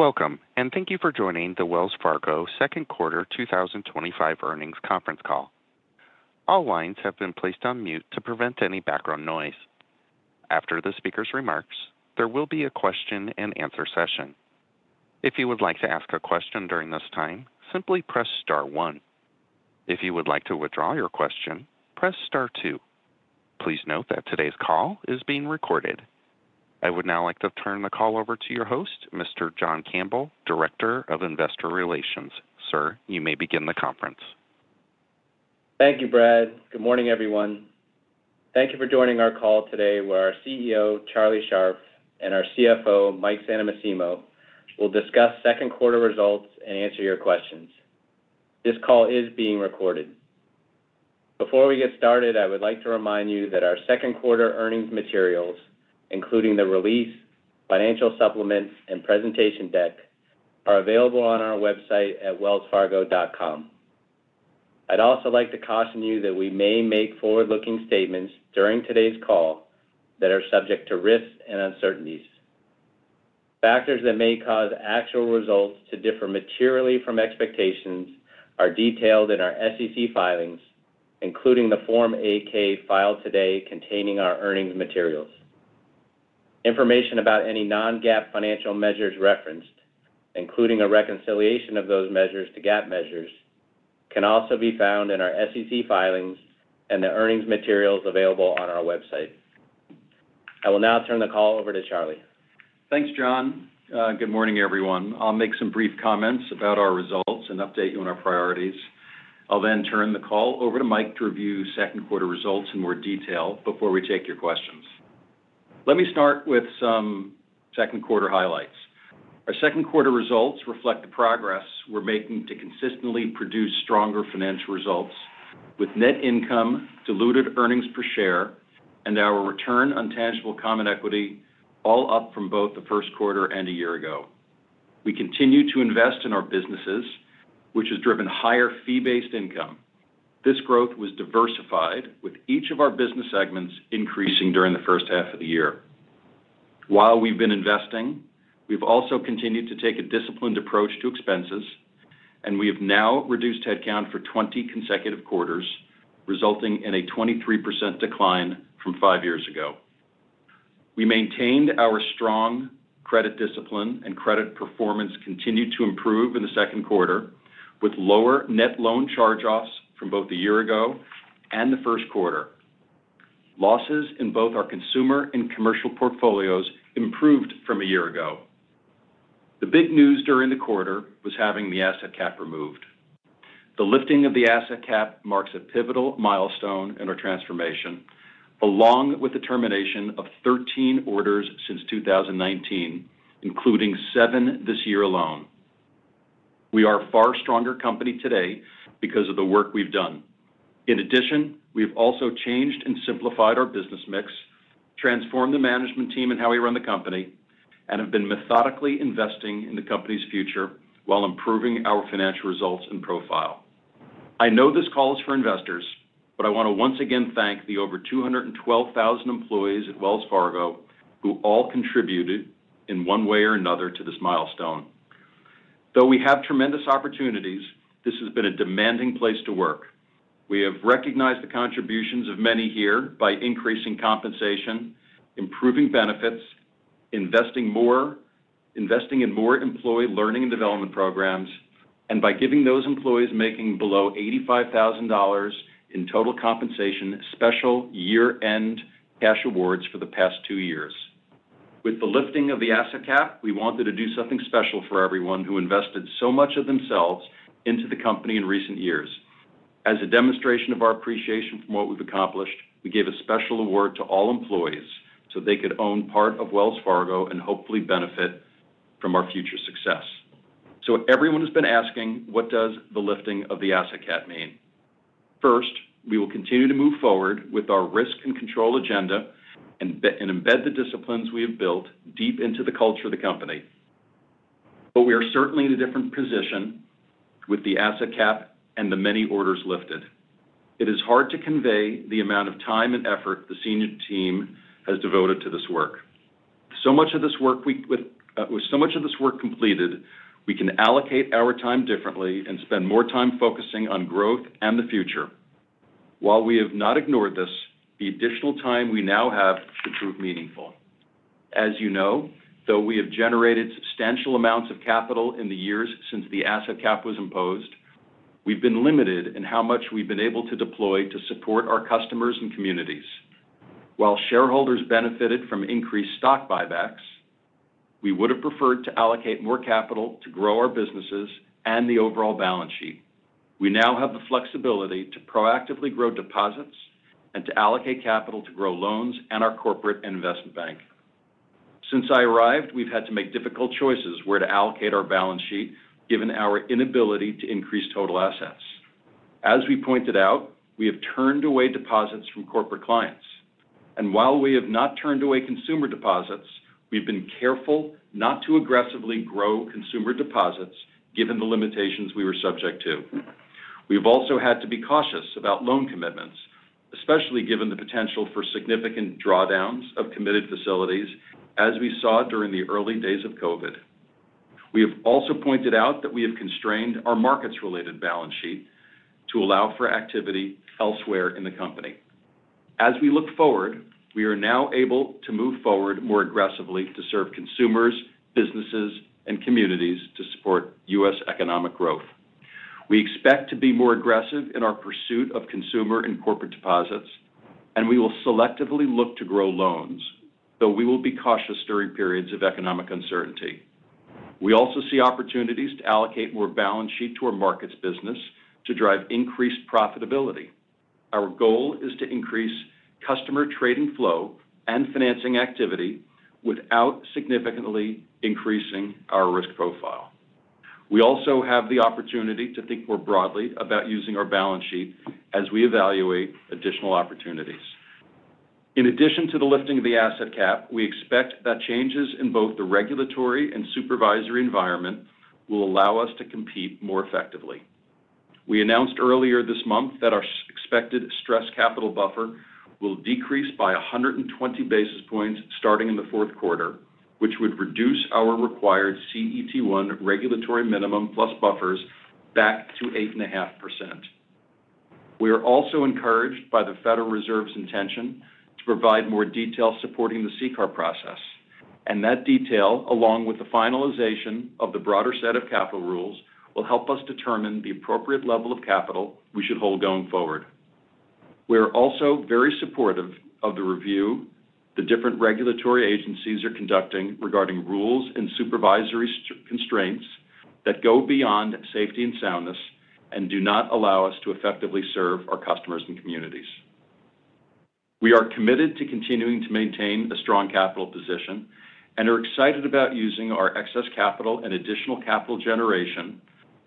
Welcome, and thank you for joining the Wells Fargo Second Quarter 2025 Earnings Conference Call. All lines have been placed on mute to prevent any background noise. After the speaker's remarks, there will be a question and answer session. If you would like to ask a question during this time, simply press star one. If you would like to withdraw your question, press star two. Please note that today's call is being recorded. I would now like to turn the call over to your host, Mr. John Campbell, Director of Investor Relations. Sir, you may begin the conference. Thank you, Brad. Good morning, everyone. Thank you for joining our call today, where our CEO, Charlie Scharf, and our CFO, Mike Santomassimo, will discs second quarter results and answer your questions. This call is being recorded. Before we get started, I would like to remind you that our second quarter earnings materials, including the release, financial supplements, and presentation deck, are available on our website at wellsfargo.com. I'd also like to caution you that we may make forward-looking statements during today's call that are subject to risks and uncertainties. Factors that may cause actual results to differ materially from expectations are detailed in our SEC filings, including the Form 8-K filed today containing our earnings materials. Information about any non-GAAP financial measures referenced, including a reconciliation of those measures to GAAP measures, can also be found in our SEC filings and the earnings materials available on our website. I will now turn the call over to Charlie. Thanks, John. Good morning, everyone. I'll make some brief comments about our results and update you on our priorities. I'll then turn the call over to Mike to review second quarter results in more detail before we take your questions. Let me start with some second quarter highlights. Our second quarter results reflect the progress we're making to consistently produce stronger financial results with net income, diluted earnings per share, and our return on tangible common equity all up from both the first quarter and a year ago. We continue to invest in our businesses, which has driven higher fee-based income. This growth was diversified, with each of our business segments increasing during the first half of the year. While we've been investing, we've also continued to take a disciplined approach to expenses, and we have now reduced headcount for 20 consecutive quarters, resulting in a 23% decline from five years ago. We maintained our strong credit discipline, and credit performance continued to improve in the second quarter, with lower net loan charge-offs from both a year ago and the first quarter. Losses in both our consumer and commercial portfolios improved from a year ago. The big news during the quarter was having the asset cap removed. The lifting of the asset cap marks a pivotal milestone in our transformation, along with the termination of 13 orders since 2019, including seven this year alone. We are a far stronger company today because of the work we've done. In addition, we've also changed and simplified our business mix, transformed the management team and how we run the company, and have been methodically investing in the company's future while improving our financial results and profile. I know this call is for investors, but I want to once again thank the over 212,000 employees at Wells Fargo who all contributed in one way or another to this milestone. Though we have tremendous opportunities, this has been a demanding place to work. We have recognized the contributions of many here by increasing compensation, improving benefits, investing in more employee learning and development programs, and by giving those employees making below $85,000 in total compensation special year-end cash awards for the past two years. With the lifting of the asset cap, we wanted to do something special for everyone who invested so much of themselves into the company in recent years. As a demonstration of our appreciation for what we've accomplished, we gave a special award to all employees so they could own part of Wells Fargo and hopefully benefit from our future success. Everyone has been asking, what does the lifting of the asset cap mean? First, we will continue to move forward with our risk and control agenda and embed the disciplines we have built deep into the culture of the company. We are certainly in a different position with the asset cap and the many orders lifted. It is hard to convey the amount of time and effort the senior team has devoted to this work. With so much of this work completed, we can allocate our time differently and spend more time focusing on growth and the future. While we have not ignored this, the additional time we now have should prove meaningful. As you know, though we have generated substantial amounts of capital in the years since the asset cap was imposed, we've been limited in how much we've been able to deploy to support our customers and communities. While shareholders benefited from increased stock buybacks, we would have preferred to allocate more capital to grow our businesses and the overall balance sheet. We now have the flexibility to proactively grow deposits and to allocate capital to grow loans and our corporate investment bank. Since I arrived, we've had to make difficult choices where to allocate our balance sheet given our inability to increase total assets. As we pointed out, we have turned away deposits from corporate clients. While we have not turned away consumer deposits, we've been careful not to aggressively grow consumer deposits given the limitations we were subject to. We've also had to be cautious about loan commitments, especially given the potential for significant drawdowns of committed facilities, as we saw during the early days of COVID. We have also pointed out that we have constrained our markets-related balance sheet to allow for activity elsewhere in the company. As we look forward, we are now able to move forward more aggressively to serve consumers, businesses, and communities to support U.S. economic growth. We expect to be more aggressive in our pursuit of consumer and corporate deposits, and we will selectively look to grow loans, though we will be cautious during periods of economic uncertainty. We also see opportunities to allocate more balance sheet to our markets business to drive increased profitability. Our goal is to increase customer trading flow and financing activity without significantly increasing our risk profile. We also have the opportunity to think more broadly about using our balance sheet as we evaluate additional opportunities. In addition to the lifting of the asset cap, we expect that changes in both the regulatory and supervisory environment will allow us to compete more effectively. We announced earlier this month that our expected stress capital buffer will decrease by 120 basis points starting in the fourth quarter, which would reduce our required CET1 regulatory minimum plus buffers back to 8.5%. We are also encouraged by the Federal Reserve's intention to provide more detail supporting the CCAR process. That detail, along with the finalization of the broader set of capital rules, will help us determine the appropriate level of capital we should hold going forward. We are also very supportive of the review the different regulatory agencies are conducting regarding rules and supervisory constraints that go beyond safety and soundness and do not allow us to effectively serve our customers and communities. We are committed to continuing to maintain a strong capital position and are excited about using our excess capital and additional capital generation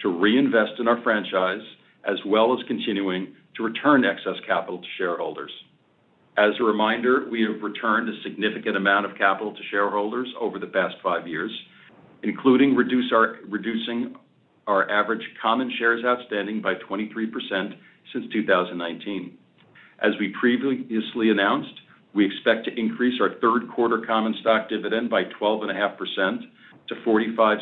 to reinvest in our franchise, as well as continuing to return excess capital to shareholders. As a reminder, we have returned a significant amount of capital to shareholders over the past five years, including reducing our average common shares outstanding by 23% since 2019. As we previously announced, we expect to increase our third quarter common stock dividend by 12.5% to $0.45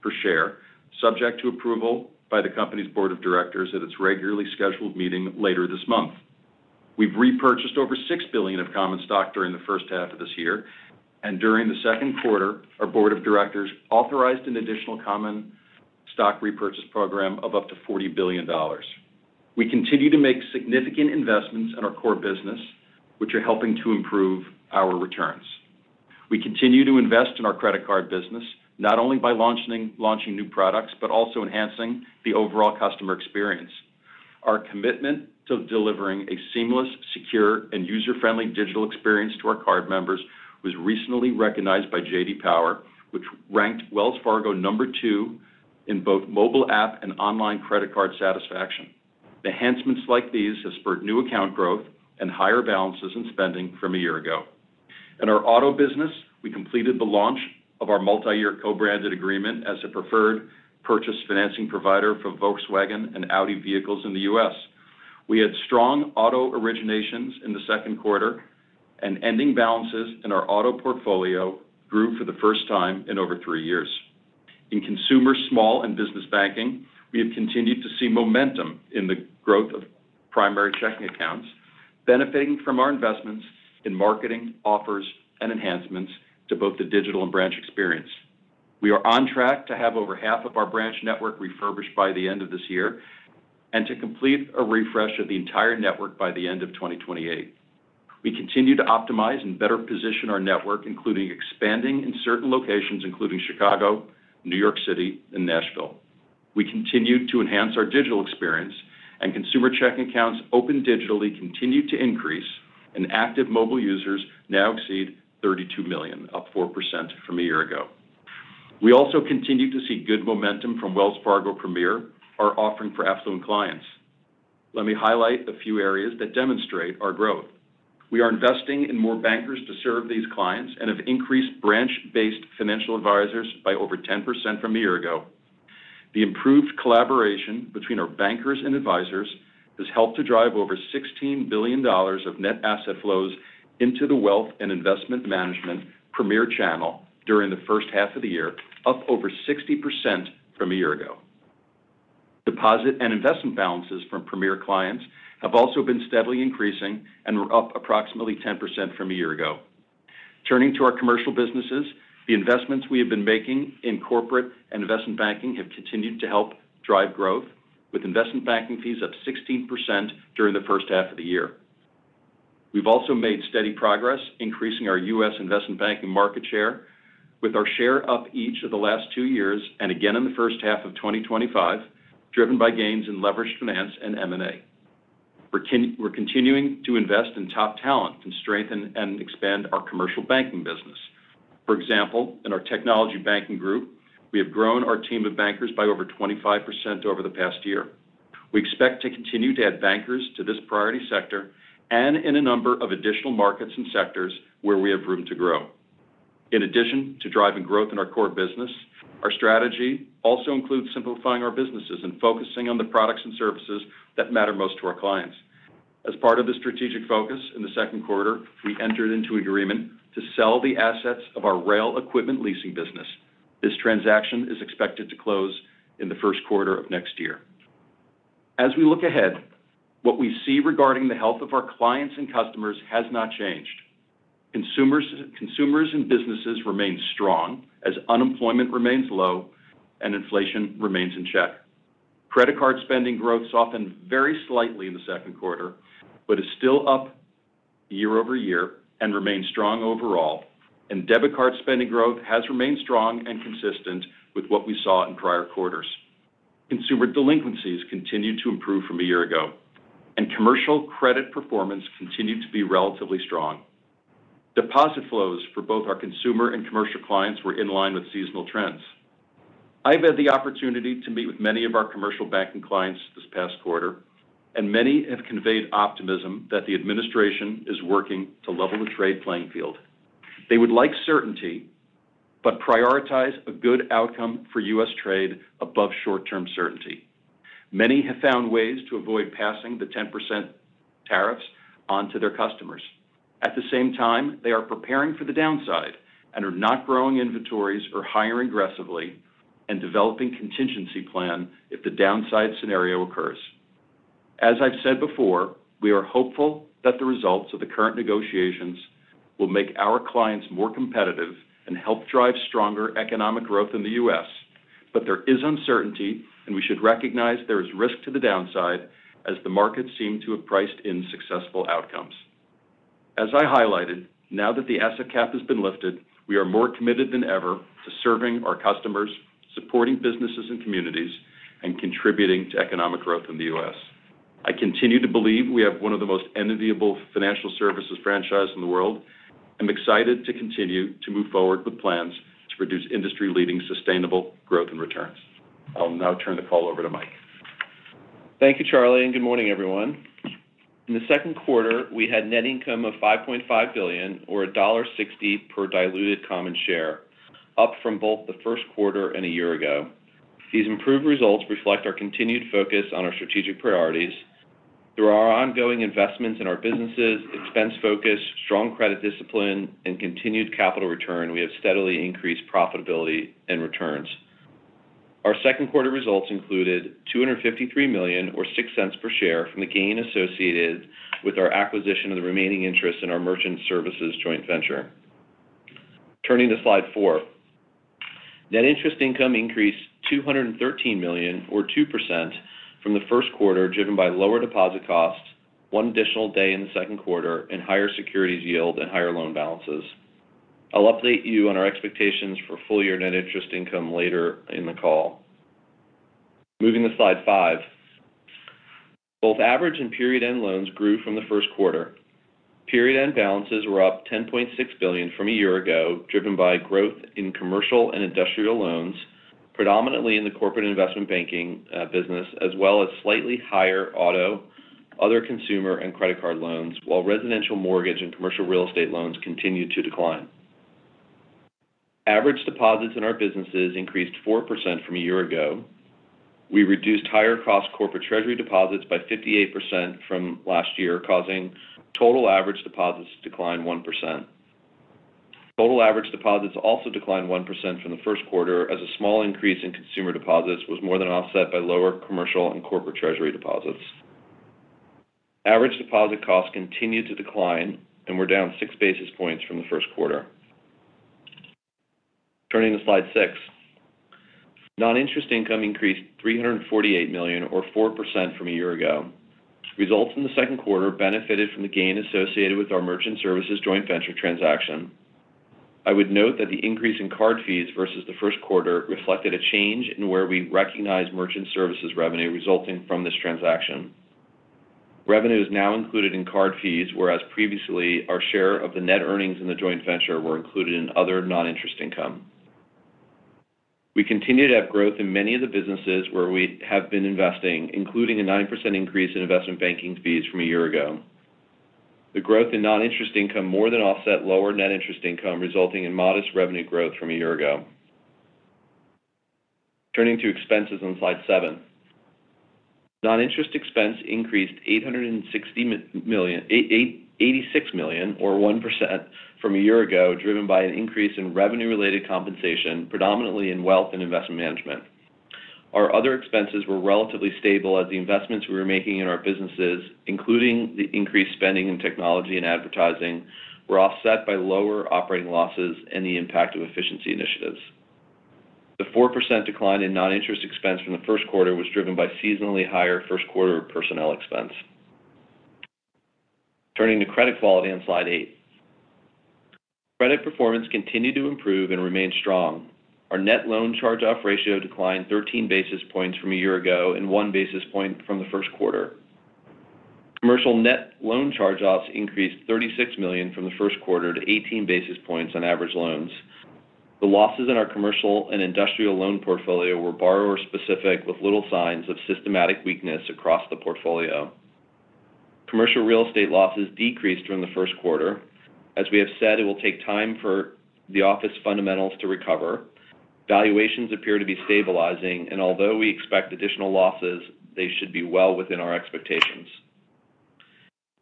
per share, subject to approval by the company's board of directors at its regularly scheduled meeting later this month. We've repurchased over $6 billion of common stock during the first half of this year, and during the second quarter, our board of directors authorized an additional common stock repurchase program of up to $40 billion. We continue to make significant investments in our core business, which are helping to improve our returns. We continue to invest in our credit card business, not only by launching new products, but also enhancing the overall customer experience. Our commitment to delivering a seamless, secure, and user-friendly digital experience to our card members was recently recognized by J.D. Power, which ranked Wells Fargo number two in both mobile app and online credit card satisfaction. Enhancements like these have spurred new account growth and higher balances in spending from a year ago. In our auto business, we completed the launch of our multi-year co-branded agreement as a preferred purchase financing provider for Volkswagen and Audi vehicles in the U.S. We had strong auto originations in the second quarter, and ending balances in our auto portfolio grew for the first time in over three years. In consumer small and business banking, we have continued to see momentum in the growth of primary checking accounts, benefiting from our investments in marketing, offers, and enhancements to both the digital and branch experience. We are on track to have over half of our branch network refurbished by the end of this year and to complete a refresh of the entire network by the end of 2028. We continue to optimize and better position our network, including expanding in certain locations, including Chicago, New York City, and Nashville. We continue to enhance our digital experience, and consumer checking accounts open digitally continue to increase, and active mobile users now exceed 32 million, up 4% from a year ago. We also continue to see good momentum from Wells Fargo Premier, our offering for affluent clients. Let me highlight a few areas that demonstrate our growth. We are investing in more bankers to serve these clients and have increased branch-based financial advisors by over 10% from a year ago. The improved collaboration between our bankers and advisors has helped to drive over $16 billion of net asset flows into the wealth and investment management Premier channel during the first half of the year, up over 60% from a year ago. Deposit and investment balances from Premier clients have also been steadily increasing and were up approximately 10% from a year ago. Turning to our commercial businesses, the investments we have been making in corporate and investment banking have continued to help drive growth, with investment banking fees up 16% during the first half of the year. We've also made steady progress, increasing our U.S. investment banking market share with our share up each of the last two years and again in the first half of 2025, driven by gains in leveraged finance and M&A. We're continuing to invest in top talent and strengthen and expand our commercial banking business. For example, in our technology banking group, we have grown our team of bankers by over 25% over the past year. We expect to continue to add bankers to this priority sector and in a number of additional markets and sectors where we have room to grow. In addition to driving growth in our core business, our strategy also includes simplifying our businesses and focusing on the products and services that matter most to our clients. As part of the strategic focus in the second quarter, we entered into an agreement to sell the assets of our rail equipment leasing business. This transaction is expected to close in the first quarter of next year. As we look ahead, what we see regarding the health of our clients and customers has not changed. Consumers and businesses remain strong as unemployment remains low and inflation remains in check. Credit card spending growth softened very slightly in the second quarter, but is still up year-over-year and remains strong overall. Debit card spending growth has remained strong and consistent with what we saw in prior quarters. Consumer delinquencies continued to improve from a year ago, and commercial credit performance continued to be relatively strong. Deposit flows for both our consumer and commercial clients were in line with seasonal trends. I've had the opportunity to meet with many of our commercial banking clients this past quarter, and many have conveyed optimism that the administration is working to level the trade playing field. They would like certainty, but prioritize a good outcome for U.S. trade above short-term certainty. Many have found ways to avoid passing the 10% tariffs onto their customers. At the same time, they are preparing for the downside and are not growing inventories or hiring aggressively and developing a contingency plan if the downside scenario occurs. As I've said before, we are hopeful that the results of the current negotiations will make our clients more competitive and help drive stronger economic growth in the U.S. There is uncertainty, and we should recognize there is risk to the downside as the markets seem to have priced in successful outcomes. As I highlighted, now that the asset cap has been lifted, we are more committed than ever to serving our customers, supporting businesses and communities, and contributing to economic growth in the U.S. I continue to believe we have one of the most enviable financial services franchises in the world. I'm excited to continue to move forward with plans to produce industry-leading sustainable growth and returns. I'll now turn the call over to Mike. Thank you, Charlie, and good morning, everyone. In the second quarter, we had net income of $5.5 billion, or $1.60 per diluted common share, up from both the first quarter and a year ago. These improved results reflect our continued focus on our strategic priorities. Through our ongoing investments in our businesses, expense focus, strong credit discipline, and continued capital return, we have steadily increased profitability and returns. Our second quarter results included $253 million, or $0.06 per share, from the gain associated with our acquisition of the remaining interest in our merchant services joint venture. Turning to slide four, net interest income increased $213 million, or 2%, from the first quarter, driven by lower deposit costs, one additional day in the second quarter, and higher securities yield and higher loan balances. I'll update you on our expectations for full-year net interest income later in the call. Moving to slide five, both average and period-end loans grew from the first quarter. Period-end balances were up $10.6 billion from a year ago, driven by growth in commercial and industrial loans, predominantly in the corporate investment banking business, as well as slightly higher auto, other consumer, and credit card loans, while residential mortgage and commercial real estate loans continued to decline. Average deposits in our businesses increased 4% from a year ago. We reduced higher-cost corporate treasury deposits by 58% from last year, causing total average deposits to decline 1%. Total average deposits also declined 1% from the first quarter, as a small increase in consumer deposits was more than offset by lower commercial and corporate treasury deposits. Average deposit costs continued to decline and were down six basis points from the first quarter. Turning to slide six, non-interest income increased $348 million, or 4% from a year ago. Results in the second quarter benefited from the gain associated with our merchant services joint venture transaction. I would note that the increase in card fees versus the first quarter reflected a change in where we recognize merchant services revenue resulting from this transaction. Revenue is now included in card fees, whereas previously our share of the net earnings in the joint venture were included in other non-interest income. We continue to have growth in many of the businesses where we have been investing, including a 9% increase in investment banking fees from a year ago. The growth in non-interest income more than offset lower net interest income, resulting in modest revenue growth from a year ago. Turning to expenses on slide seven, non-interest expense increased $86 million, or 1%, from a year ago, driven by an increase in revenue-related compensation, predominantly in wealth and investment management. Our other expenses were relatively stable, as the investments we were making in our businesses, including the increased spending in technology and advertising, were offset by lower operating losses and the impact of efficiency initiatives. The 4% decline in non-interest expense from the first quarter was driven by seasonally higher first-quarter personnel expense. Turning to credit quality on slide eight, credit performance continued to improve and remain strong. Our net loan charge-off ratio declined 13 basis points from a year ago and one basis point from the first quarter. Commercial net loan charge-offs increased $36 million from the first quarter to 18 basis points on average loans. The losses in our commercial and industrial loan portfolio were borrower-specific, with little signs of systematic weakness across the portfolio. Commercial real estate losses decreased during the first quarter. As we have said, it will take time for the office fundamentals to recover. Valuations appear to be stabilizing, and although we expect additional losses, they should be well within our expectations.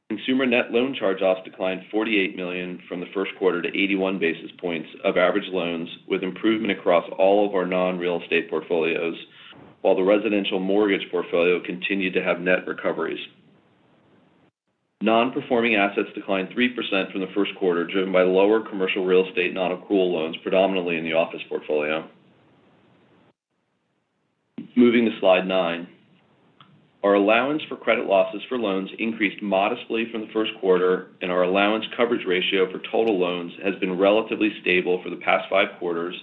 Consumer net loan charge-offs declined $48 million from the first quarter to 81 basis points of average loans, with improvement across all of our non-real estate portfolios, while the residential mortgage portfolio continued to have net recoveries. Non-performing assets declined 3% from the first quarter, driven by lower commercial real estate non-accrual loans, predominantly in the office portfolio. Moving to slide nine, our allowance for credit losses for loans increased modestly from the first quarter, and our allowance coverage ratio for total loans has been relatively stable for the past five quarters,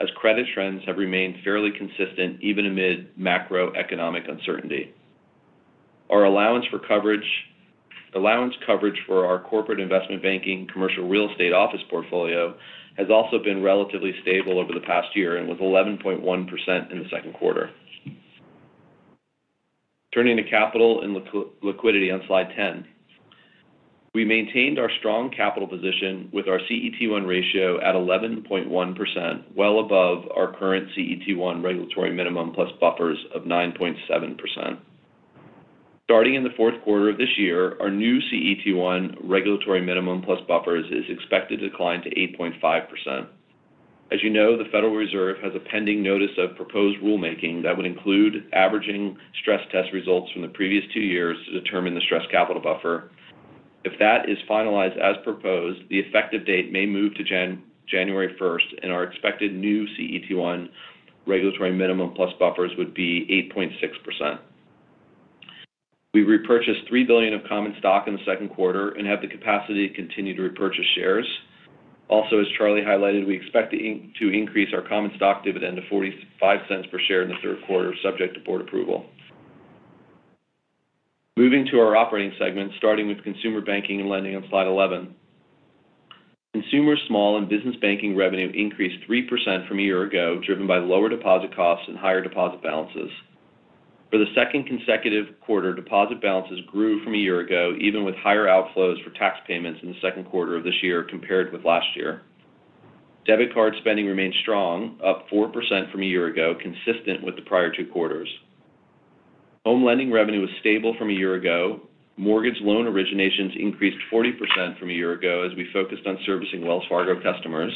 as credit trends have remained fairly consistent even amid macroeconomic uncertainty. Our allowance for coverage for our corporate investment banking commercial real estate office portfolio has also been relatively stable over the past year and was 11.1% in the second quarter. Turning to capital and liquidity on slide 10, we maintained our strong capital position with our CET1 ratio at 11.1%, well above our current CET1 regulatory minimum plus buffers of 9.7%. Starting in the fourth quarter of this year, our new CET1 regulatory minimum plus buffers is expected to decline to 8.5%. As you know, the Federal Reserve has a pending notice of proposed rulemaking that would include averaging stress test results from the previous two years to determine the stress capital buffer. If that is finalized as proposed, the effective date may move to January 1, and our expected new CET1 regulatory minimum plus buffers would be 8.6%. We repurchased $3 billion of common stock in the second quarter and have the capacity to continue to repurchase shares. Also, as Charlie highlighted, we expect to increase our common stock dividend to $0.45 per share in the third quarter, subject to board approval. Moving to our operating segment, starting with consumer banking and lending on slide 11, consumer small and business banking revenue increased 3% from a year ago, driven by lower deposit costs and higher deposit balances. For the second consecutive quarter, deposit balances grew from a year ago, even with higher outflows for tax payments in the second quarter of this year compared with last year. Debit card spending remained strong, up 4% from a year ago, consistent with the prior two quarters. Home lending revenue was stable from a year ago. Mortgage loan originations increased 40% from a year ago as we focused on servicing Wells Fargo customers.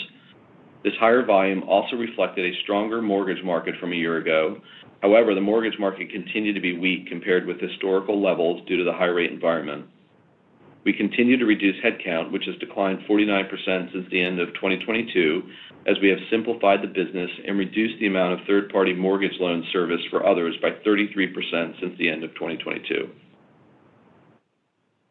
This higher volume also reflected a stronger mortgage market from a year ago. However, the mortgage market continued to be weak compared with historical levels due to the high-rate environment. We continue to reduce headcount, which has declined 49% since the end of 2022, as we have simplified the business and reduced the amount of third-party mortgage loans serviced for others by 33% since the end of 2022.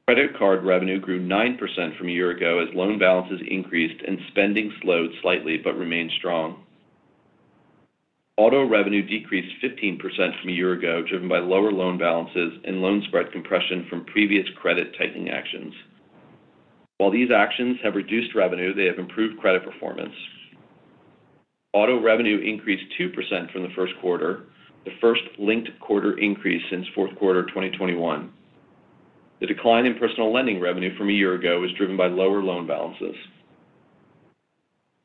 Credit card revenue grew 9% from a year ago as loan balances increased and spending slowed slightly but remained strong. Auto revenue decreased 15% from a year ago, driven by lower loan balances and loan spread compression from previous credit tightening actions. While these actions have reduced revenue, they have improved credit performance. Auto revenue increased 2% from the first quarter, the first linked quarter increase since fourth quarter 2021. The decline in personal lending revenue from a year ago was driven by lower loan balances.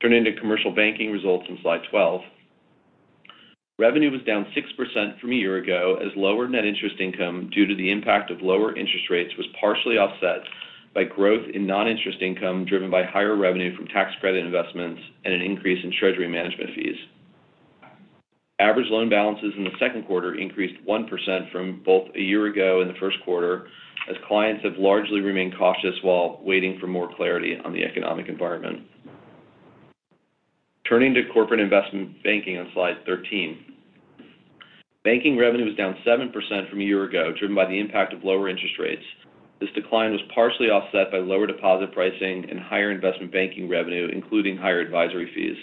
Turning to commercial banking results on slide 12, revenue was down 6% from a year ago as lower net interest income due to the impact of lower interest rates was partially offset by growth in non-interest income driven by higher revenue from tax credit investments and an increase in treasury management fees. Average loan balances in the second quarter increased 1% from both a year ago and the first quarter, as clients have largely remained cautious while waiting for more clarity on the economic environment. Turning to corporate investment banking on slide 13, banking revenue was down 7% from a year ago, driven by the impact of lower interest rates. This decline was partially offset by lower deposit pricing and higher investment banking revenue, including higher advisory fees.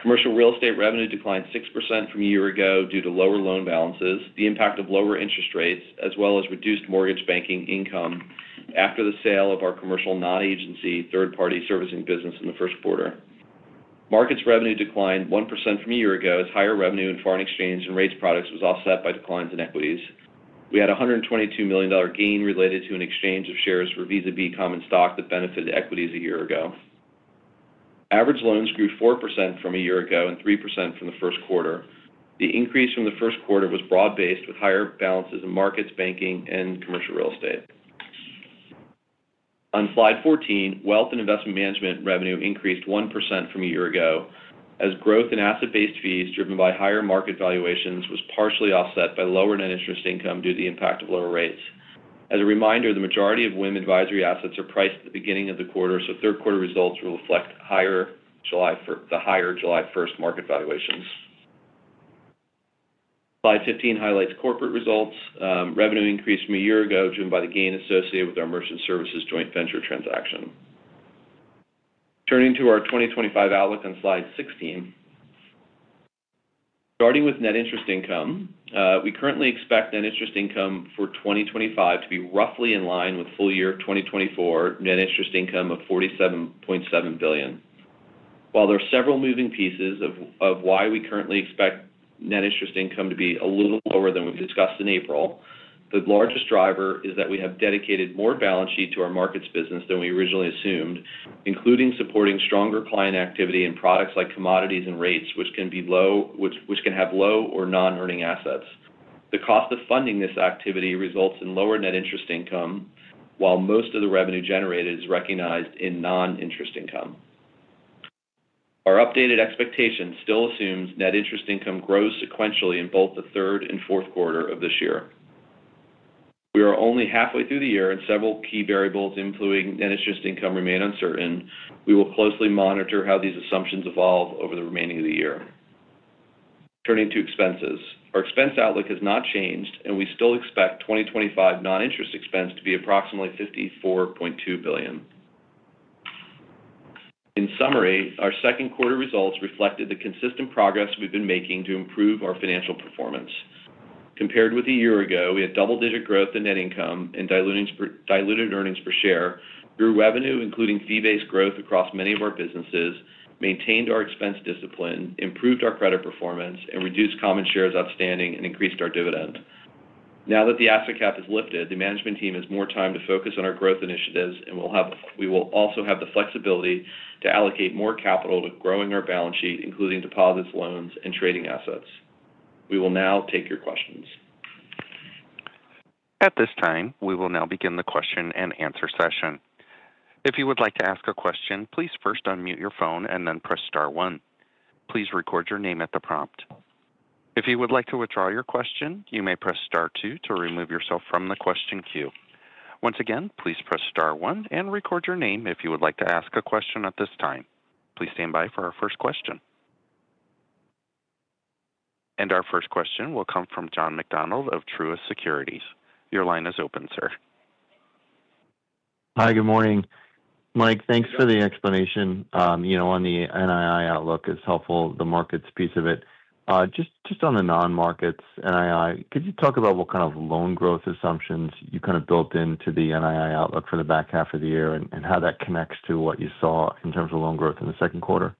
Commercial real estate revenue declined 6% from a year ago due to lower loan balances, the impact of lower interest rates, as well as reduced mortgage banking income after the sale of our commercial non-agency third-party servicing business in the first quarter. Markets revenue declined 1% from a year ago as higher revenue in foreign exchange and rates products was offset by declines in equities. We had a $122 million gain related to an exchange of shares for vis-à-vis common stock that benefited equities a year ago. Average loans grew 4% from a year ago and 3% from the first quarter. The increase from the first quarter was broad-based with higher balances in markets, banking, and commercial real estate. On slide 14, wealth and investment management revenue increased 1% from a year ago as growth in asset-based fees, driven by higher market valuations, was partially offset by lower net interest income due to the impact of lower rates. As a reminder, the majority of WIM advisory assets are priced at the beginning of the quarter, so third-quarter results will reflect higher July 1 market valuations. Slide 15 highlights corporate results. Revenue increased from a year ago, driven by the gain associated with our merchant services joint venture transaction. Turning to our 2025 outlook on slide 16, starting with net interest income, we currently expect net interest income for 2025 to be roughly in line with full-year 2024 net interest income of $47.7 billion. While there are several moving pieces of why we currently expect net interest income to be a little lower than we discussed in April, the largest driver is that we have dedicated more balance sheet to our markets business than we originally assumed, including supporting stronger client activity in products like commodities and rates, which can have low or non-earning assets. The cost of funding this activity results in lower net interest income, while most of the revenue generated is recognized in non-interest income. Our updated expectation still assumes net interest income grows sequentially in both the third and fourth quarter of this year. We are only halfway through the year, and several key variables including net interest income remain uncertain. We will closely monitor how these assumptions evolve over the remaining of the year. Turning to expenses, our expense outlook has not changed, and we still expect 2025 non-interest expense to be approximately $54.2 billion. In summary, our second quarter results reflected the consistent progress we've been making to improve our financial performance. Compared with a year ago, we had double-digit growth in net income and diluted earnings per share. Through revenue, including fee-based growth across many of our businesses, we maintained our expense discipline, improved our credit performance, reduced common shares outstanding, and increased our dividend. Now that the asset cap is lifted, the management team has more time to focus on our growth initiatives, and we will also have the flexibility to allocate more capital to growing our balance sheet, including deposits, loans, and trading assets. We will now take your questions. At this time, we will now begin the question and answer session. If you would like to ask a question, please first unmute your phone and then press Star 1. Please record your name at the prompt. If you would like to withdraw your question, you may press Star 2 to remove yourself from the question queue. Once again, please press Star 1 and record your name if you would like to ask a question at this time. Please stand by for our first question. Our first question will come from John McDonald of Truist Securities. Your line is open, sir. Hi, good morning. Mike, thanks for the explanation. On the NII outlook, it's helpful, the markets piece of it. Just on the non-markets NII, could you talk about what kind of loan growth assumptions you kind of built into the NII outlook for the back half of the year and how that connects to what you saw in terms of loan growth in the second quarter?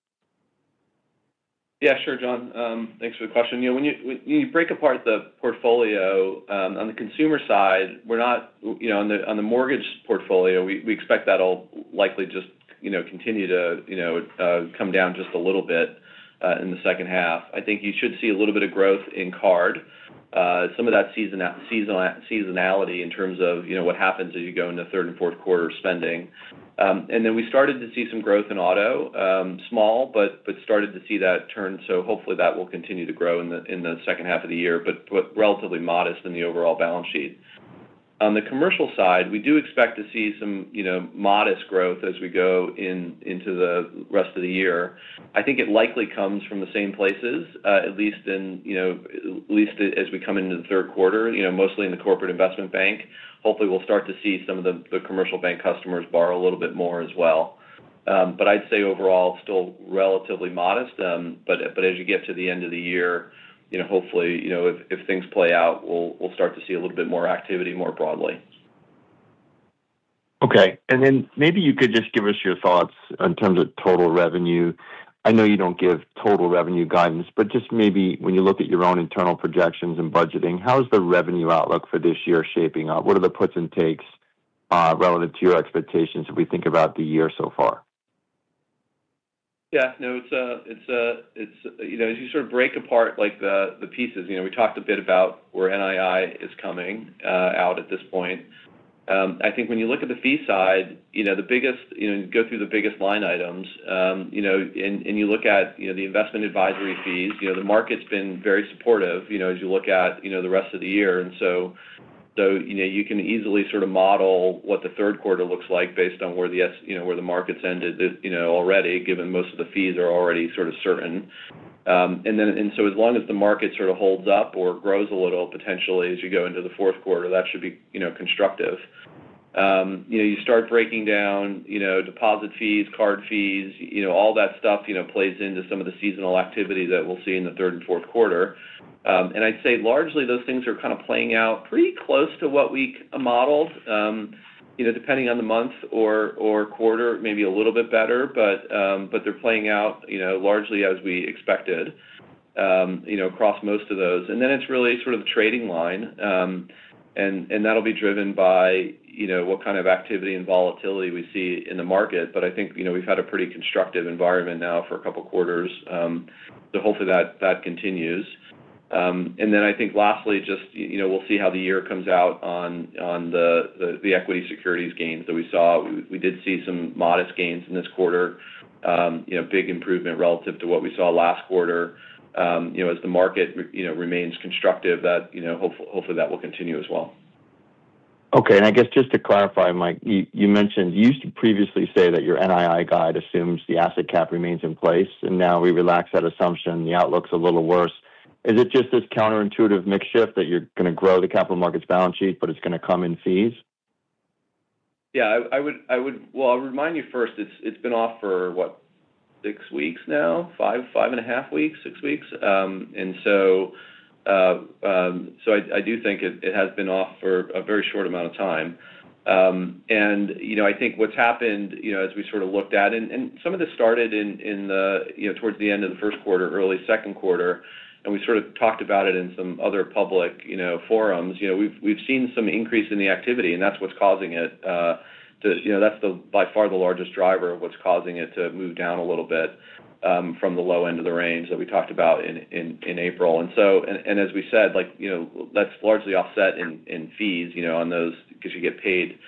Yeah, sure, John. Thanks for the question. When you break apart the portfolio on the consumer side, we're not on the mortgage portfolio, we expect that will likely just continue to come down just a little bit in the second half. I think you should see a little bit of growth in card, some of that seasonality in terms of what happens as you go into third and fourth quarter spending. And then we started to see some growth in auto, small, but started to see that turn. Hopefully that will continue to grow in the second half of the year, but relatively modest in the overall balance sheet. On the commercial side, we do expect to see some modest growth as we go into the rest of the year. I think it likely comes from the same places, at least as we come into the third quarter, mostly in the corporate investment bank. Hopefully, we'll start to see some of the commercial bank customers borrow a little bit more as well. I'd say overall, still relatively modest. As you get to the end of the year, hopefully, if things play out, we'll start to see a little bit more activity more broadly. Okay. Then maybe you could just give us your thoughts in terms of total revenue. I know you don't give total revenue guidance, but just maybe when you look at your own internal projections and budgeting, how is the revenue outlook for this year shaping up? What are the puts and takes relative to your expectations if we think about the year so far? Yeah. No, it's as you sort of break apart the pieces, we talked a bit about where NII is coming out at this point. I think when you look at the fee side, the biggest go through the biggest line items, and you look at the investment advisory fees, the market's been very supportive as you look at the rest of the year. You can easily sort of model what the third quarter looks like based on where the market's ended already, given most of the fees are already sort of certain. As long as the market sort of holds up or grows a little potentially as you go into the fourth quarter, that should be constructive. You start breaking down deposit fees, card fees, all that stuff plays into some of the seasonal activity that we will see in the third and fourth quarter. I would say largely those things are kind of playing out pretty close to what we modeled, depending on the month or quarter, maybe a little bit better, but they are playing out largely as we expected across most of those. It is really sort of the trading line, and that will be driven by what kind of activity and volatility we see in the market. I think we have had a pretty constructive environment now for a couple of quarters, so hopefully that continues. I think lastly, just we'll see how the year comes out on the equity securities gains that we saw. We did see some modest gains in this quarter, big improvement relative to what we saw last quarter. As the market remains constructive, hopefully that will continue as well. Okay. I guess just to clarify, Mike, you used to previously say that your NII guide assumes the asset cap remains in place, and now we relax that assumption. The outlook's a little worse. Is it just this counterintuitive mixed shift that you're going to grow the capital markets balance sheet, but it's going to come in fees? Yeah. I'll remind you first, it's been off for what, six weeks now? Five and a half weeks, six weeks? I do think it has been off for a very short amount of time. I think what's happened as we sort of looked at, and some of this started towards the end of the first quarter, early second quarter, and we sort of talked about it in some other public forums. We've seen some increase in the activity, and that's what's causing it. That's by far the largest driver of what's causing it to move down a little bit from the low end of the range that we talked about in April. As we said, that's largely offset in fees on those because you get paid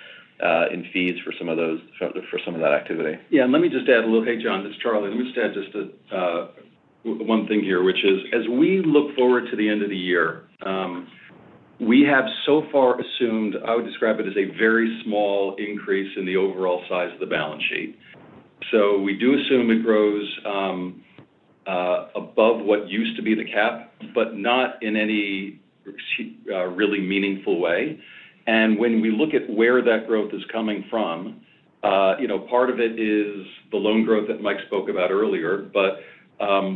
in fees for some of that activity. Yeah. Let me just add a little hey, John, this is Charlie. Let me just add just one thing here, which is as we look forward to the end of the year, we have so far assumed, I would describe it as a very small increase in the overall size of the balance sheet. We do assume it grows above what used to be the cap, but not in any really meaningful way. When we look at where that growth is coming from, part of it is the loan growth that Mike spoke about earlier, but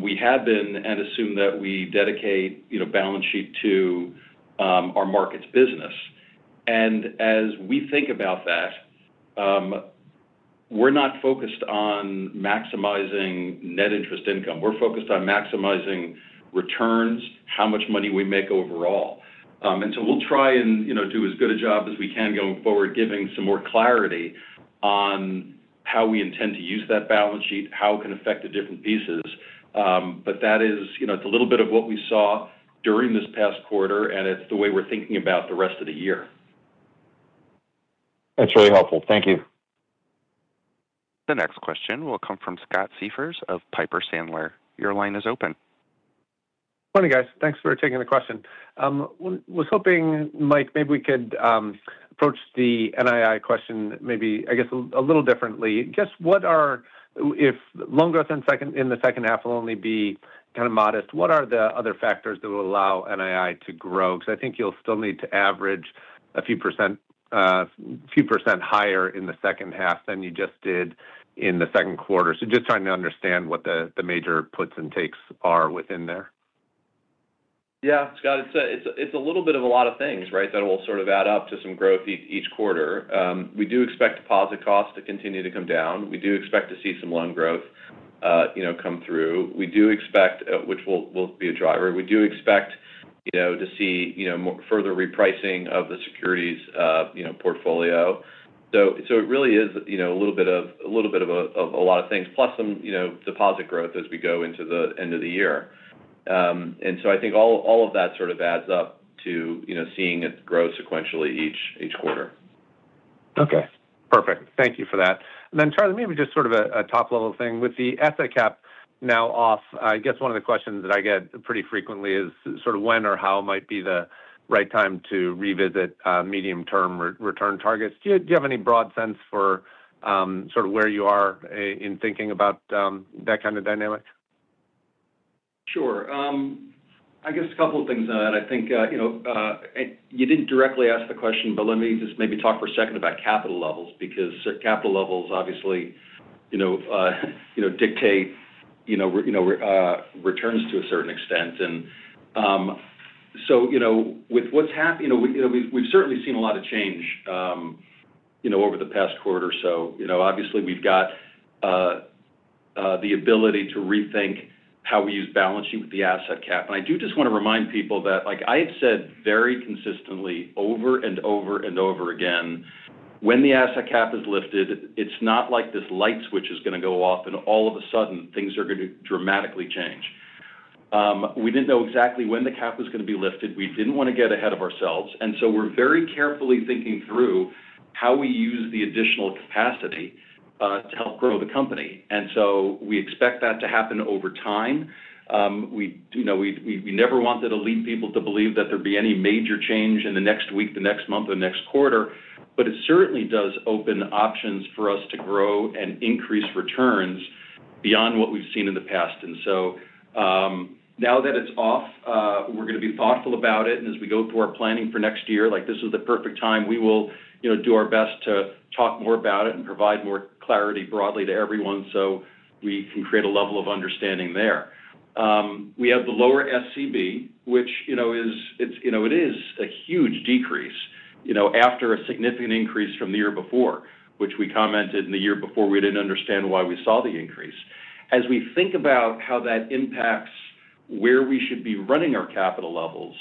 we have been and assume that we dedicate balance sheet to our markets business. As we think about that, we're not focused on maximizing net interest income. We're focused on maximizing returns, how much money we make overall. We will try and do as good a job as we can going forward, giving some more clarity on how we intend to use that balance sheet, how it can affect the different pieces. That is a little bit of what we saw during this past quarter, and it is the way we are thinking about the rest of the year. That is really helpful. Thank you. The next question will come from Scott Siefers of Piper Sandler. Your line is open. Morning, guys. Thanks for taking the question. I was hoping, Mike, maybe we could approach the NII question maybe, I guess, a little differently. I guess what are if loan growth in the second half will only be kind of modest, what are the other factors that will allow NII to grow? Because I think you'll still need to average a few percent higher in the second half than you just did in the second quarter. Just trying to understand what the major puts and takes are within there. Yeah, Scott, it's a little bit of a lot of things, right, that will sort of add up to some growth each quarter. We do expect deposit costs to continue to come down. We do expect to see some loan growth come through. We do expect, which will be a driver, we do expect to see further repricing of the securities portfolio. It really is a little bit of a lot of things, plus some deposit growth as we go into the end of the year. I think all of that sort of adds up to seeing it grow sequentially each quarter. Okay. Perfect. Thank you for that. Charlie, maybe just sort of a top-level thing. With the asset cap now off, I guess one of the questions that I get pretty frequently is sort of when or how might be the right time to revisit medium-term return targets. Do you have any broad sense for sort of where you are in thinking about that kind of dynamic? Sure. I guess a couple of things on that. I think you did not directly ask the question, but let me just maybe talk for a second about capital levels because capital levels obviously dictate returns to a certain extent. With what has happened, we have certainly seen a lot of change over the past quarter or so. Obviously, we have got the ability to rethink how we use balance sheet with the asset cap. I do just want to remind people that I have said very consistently over and over and over again, when the asset cap is lifted, it's not like this light switch is going to go off and all of a sudden things are going to dramatically change. We didn't know exactly when the cap was going to be lifted. We didn't want to get ahead of ourselves. We are very carefully thinking through how we use the additional capacity to help grow the company. We expect that to happen over time. We never wanted to lead people to believe that there would be any major change in the next week, the next month, or the next quarter, but it certainly does open options for us to grow and increase returns beyond what we've seen in the past. Now that it's off, we're going to be thoughtful about it. As we go through our planning for next year, this is the perfect time. We will do our best to talk more about it and provide more clarity broadly to everyone so we can create a level of understanding there. We have the lower SCB, which is a huge decrease after a significant increase from the year before, which we commented in the year before we didn't understand why we saw the increase. As we think about how that impacts where we should be running our capital levels,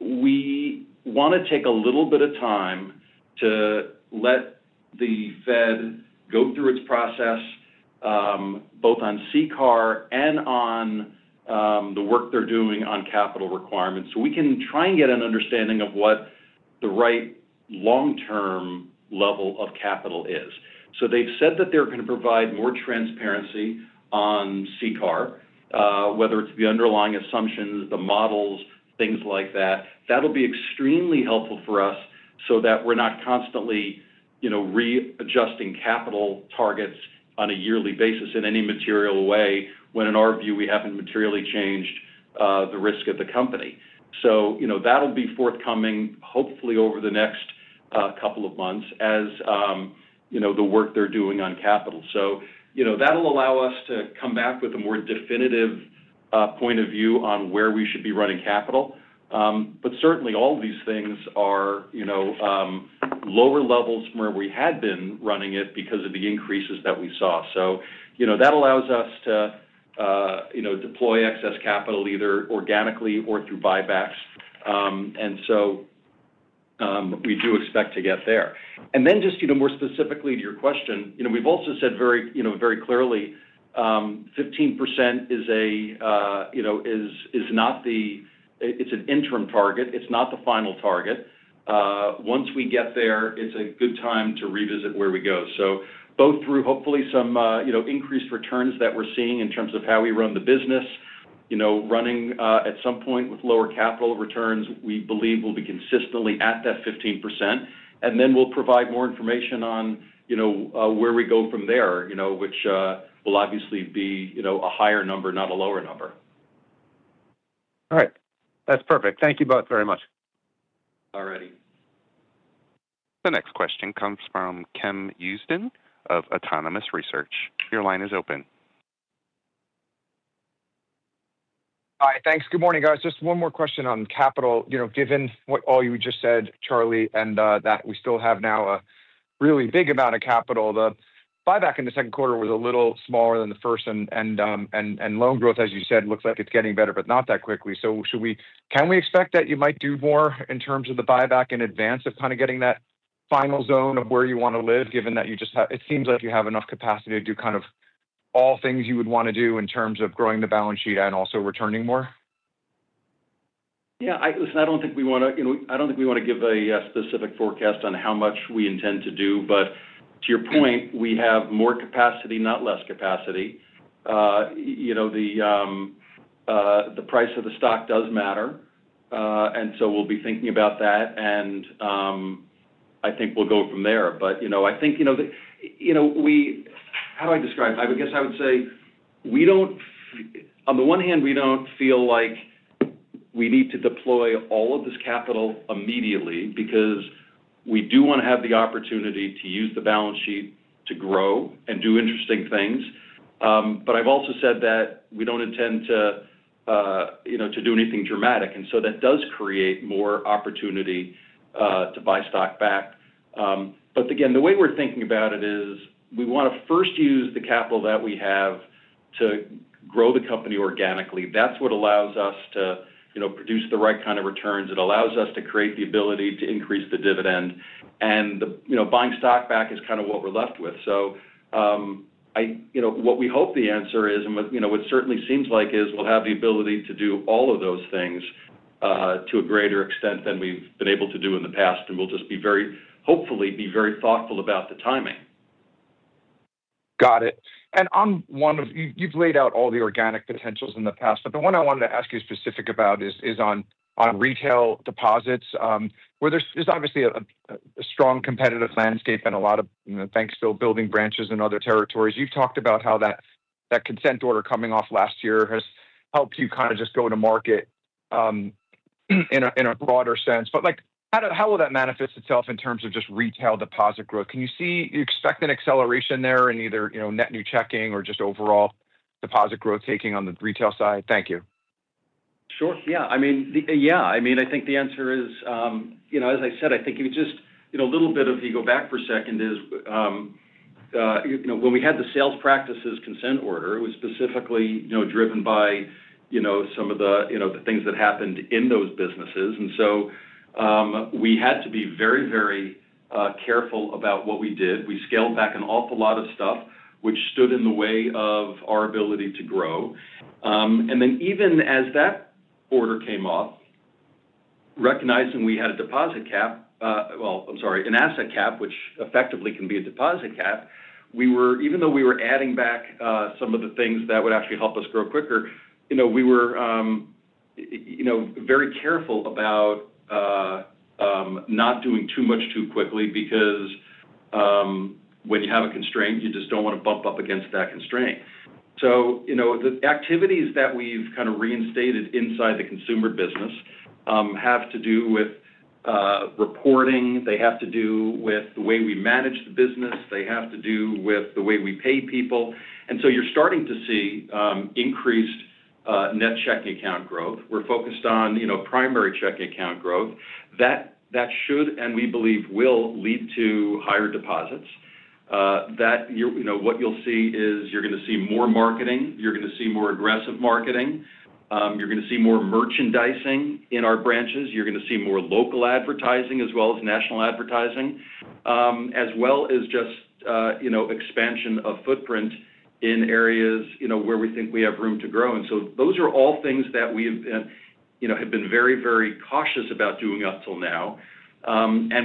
we want to take a little bit of time to let the Fed go through its process, both on CCAR and on the work they're doing on capital requirements. We can try and get an understanding of what the right long-term level of capital is. They've said that they're going to provide more transparency on CCAR, whether it's the underlying assumptions, the models, things like that. That'll be extremely helpful for us so that we're not constantly readjusting capital targets on a yearly basis in any material way when, in our view, we haven't materially changed the risk of the company. That'll be forthcoming, hopefully over the next couple of months as the work they're doing on capital. That'll allow us to come back with a more definitive point of view on where we should be running capital. Certainly, all of these things are lower levels from where we had been running it because of the increases that we saw. That allows us to deploy excess capital either organically or through buybacks. We do expect to get there. Then just more specifically to your question, we've also said very clearly, 15% is not the it's an interim target. It's not the final target. Once we get there, it's a good time to revisit where we go. Both through hopefully some increased returns that we're seeing in terms of how we run the business, running at some point with lower capital returns, we believe we'll be consistently at that 15%. Then we'll provide more information on where we go from there, which will obviously be a higher number, not a lower number. All right. That's perfect. Thank you both very much. All righty. The next question comes from Ken Usdin of Autonomous Research. Your line is open. Hi. Thanks. Good morning, guys. Just one more question on capital. Given what all you just said, Charlie, and that we still have now a really big amount of capital, the buyback in the second quarter was a little smaller than the first. Loan growth, as you said, looks like it's getting better, but not that quickly. Can we expect that you might do more in terms of the buyback in advance of kind of getting that final zone of where you want to live, given that it seems like you have enough capacity to do kind of all things you would want to do in terms of growing the balance sheet and also returning more? Yeah. Listen, I don't thin we want to give a specific forecast on how much we intend to do. To your point, we have more capacity, not less capacity. The price of the stock does matter. We will be thinking about that. I think we will go from there. I guess I would say, on the one hand, we do not feel like we need to deploy all of this capital immediately because we do want to have the opportunity to use the balance sheet to grow and do interesting things. I have also said that we do not intend to do anything dramatic. That does create more opportunity to buy stock back. Again, the way we are thinking about it is we want to first use the capital that we have to grow the company organically. That is what allows us to produce the right kind of returns. It allows us to create the ability to increase the dividend. Buying stock back is kind of what we are left with. What we hope the answer is, and what certainly seems like, is we'll have the ability to do all of those things to a greater extent than we've been able to do in the past. We'll just hopefully be very thoughtful about the timing. Got it. One of, you've laid out all the organic potentials in the past, but the one I wanted to ask you specifically about is on retail deposits. Where there's obviously a strong competitive landscape and a lot of banks still building branches in other territories, you've talked about how that consent order coming off last year has helped you kind of just go to market in a broader sense. How will that manifest itself in terms of just retail deposit growth? Can you see you expect an acceleration there in either net new checking or just overall deposit growth taking on the retail side? Thank you. Sure. Yeah. I mean, I think the answer is, as I said, I think it was just a little bit of you go back for a second is when we had the sales practices consent order, it was specifically driven by some of the things that happened in those businesses. And so we had to be very, very careful about what we did. We scaled back an awful lot of stuff, which stood in the way of our ability to grow. Even as that order came off, recognizing we had a deposit cap—well, I'm sorry, an asset cap, which effectively can be a deposit cap—even though we were adding back some of the things that would actually help us grow quicker, we were very careful about not doing too much too quickly because when you have a constraint, you just do not want to bump up against that constraint. The activities that we have kind of reinstated inside the consumer business have to do with reporting. They have to do with the way we manage the business. They have to do with the way we pay people. You are starting to see increased net checking account growth. We are focused on primary checking account growth. That should, and we believe, will lead to higher deposits. What you will see is you are going to see more marketing. You're going to see more aggressive marketing. You're going to see more merchandising in our branches. You're going to see more local advertising as well as national advertising, as well as just expansion of footprint in areas where we think we have room to grow. Those are all things that we have been very, very cautious about doing up till now.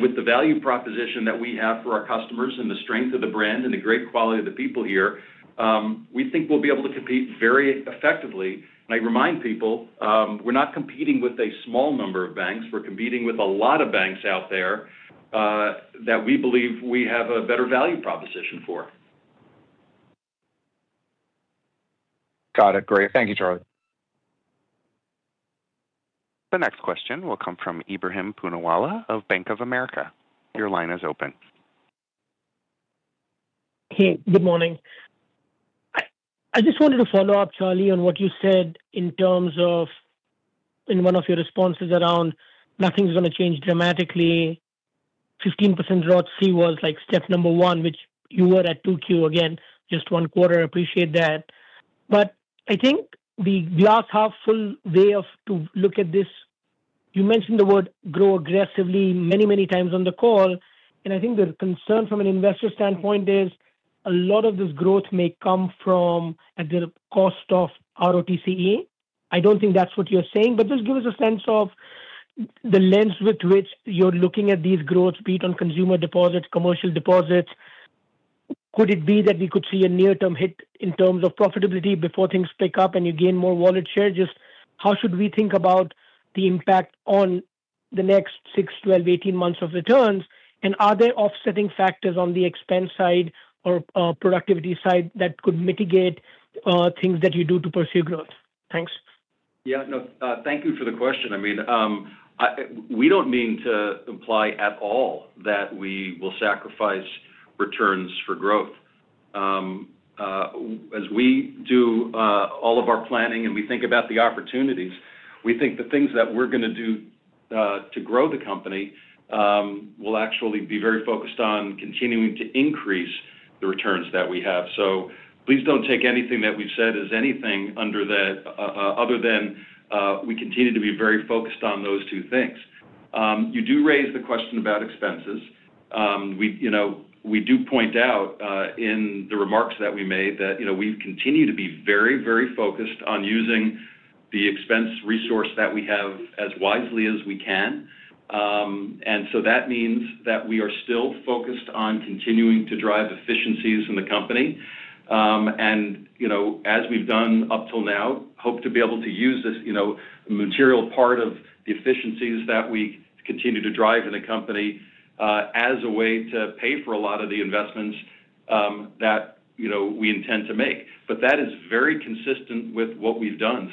With the value proposition that we have for our customers and the strength of the brand and the great quality of the people here, we think we'll be able to compete very effectively. I remind people, we're not competing with a small number of banks. We're competing with a lot of banks out there that we believe we have a better value proposition for. Got it. Great. Thank you, Charlie. The next question will come from Ebrahim Poonawala of Bank of America. Your line is open. Hey, good morning. I just wanted to follow up, Charlie, on what you said in terms of in one of your responses around nothing's going to change dramatically. 15% ROTCE, like step number one, which you were at 2Q again, just one quarter. Appreciate that. I think the glass half-full way to look at this, you mentioned the word grow aggressively many, many times on the call. I think the concern from an investor standpoint is a lot of this growth may come at the cost of ROTCE. I don't think that's what you're saying. Just give us a sense of the lens with which you're looking at these growths, be it on consumer deposits, commercial deposits. Could it be that we could see a near-term hit in terms of profitability before things pick up and you gain more wallet share? Just how should we think about the impact on the next 6, 12, 18 months of returns? Are there offsetting factors on the expense side or productivity side that could mitigate things that you do to pursue growth? Thanks. Yeah. No, thank you for the question. I mean, we do not mean to imply at all that we will sacrifice returns for growth. As we do all of our planning and we think about the opportunities, we think the things that we are going to do to grow the company will actually be very focused on continuing to increase the returns that we have. Please do not take anything that we have said as anything other than we continue to be very focused on those two things. You do raise the question about expenses. We do point out in the remarks that we made that we've continued to be very, very focused on using the expense resource that we have as wisely as we can. That means that we are still focused on continuing to drive efficiencies in the company. As we've done up till now, hope to be able to use this material part of the efficiencies that we continue to drive in the company as a way to pay for a lot of the investments that we intend to make. That is very consistent with what we've done.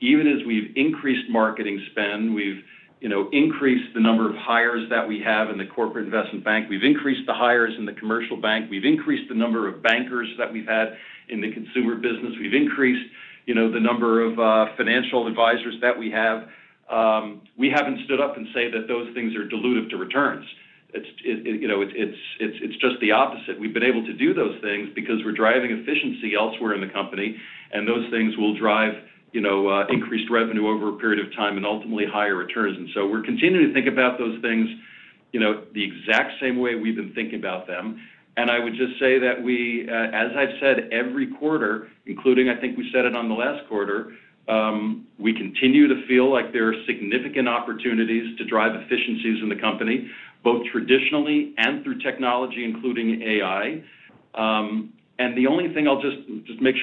Even as we've increased marketing spend, we've increased the number of hires that we have in the corporate investment bank. We've increased the hires in the commercial bank. We've increased the number of bankers that we've had in the consumer business. We've increased the number of financial advisors that we have. We haven't stood up and said that those things are dilutive to returns. It's just the opposite. We've been able to do those things because we're driving efficiency elsewhere in the company. Those things will drive increased revenue over a period of time and ultimately higher returns. We are continuing to think about those things the exact same way we've been thinking about them. I would just say that we, as I've said every quarter, including I think we said it on the last quarter, continue to feel like there are significant opportunities to drive efficiencies in the company, both traditionally and through technology, including AI. The only thing I'll just make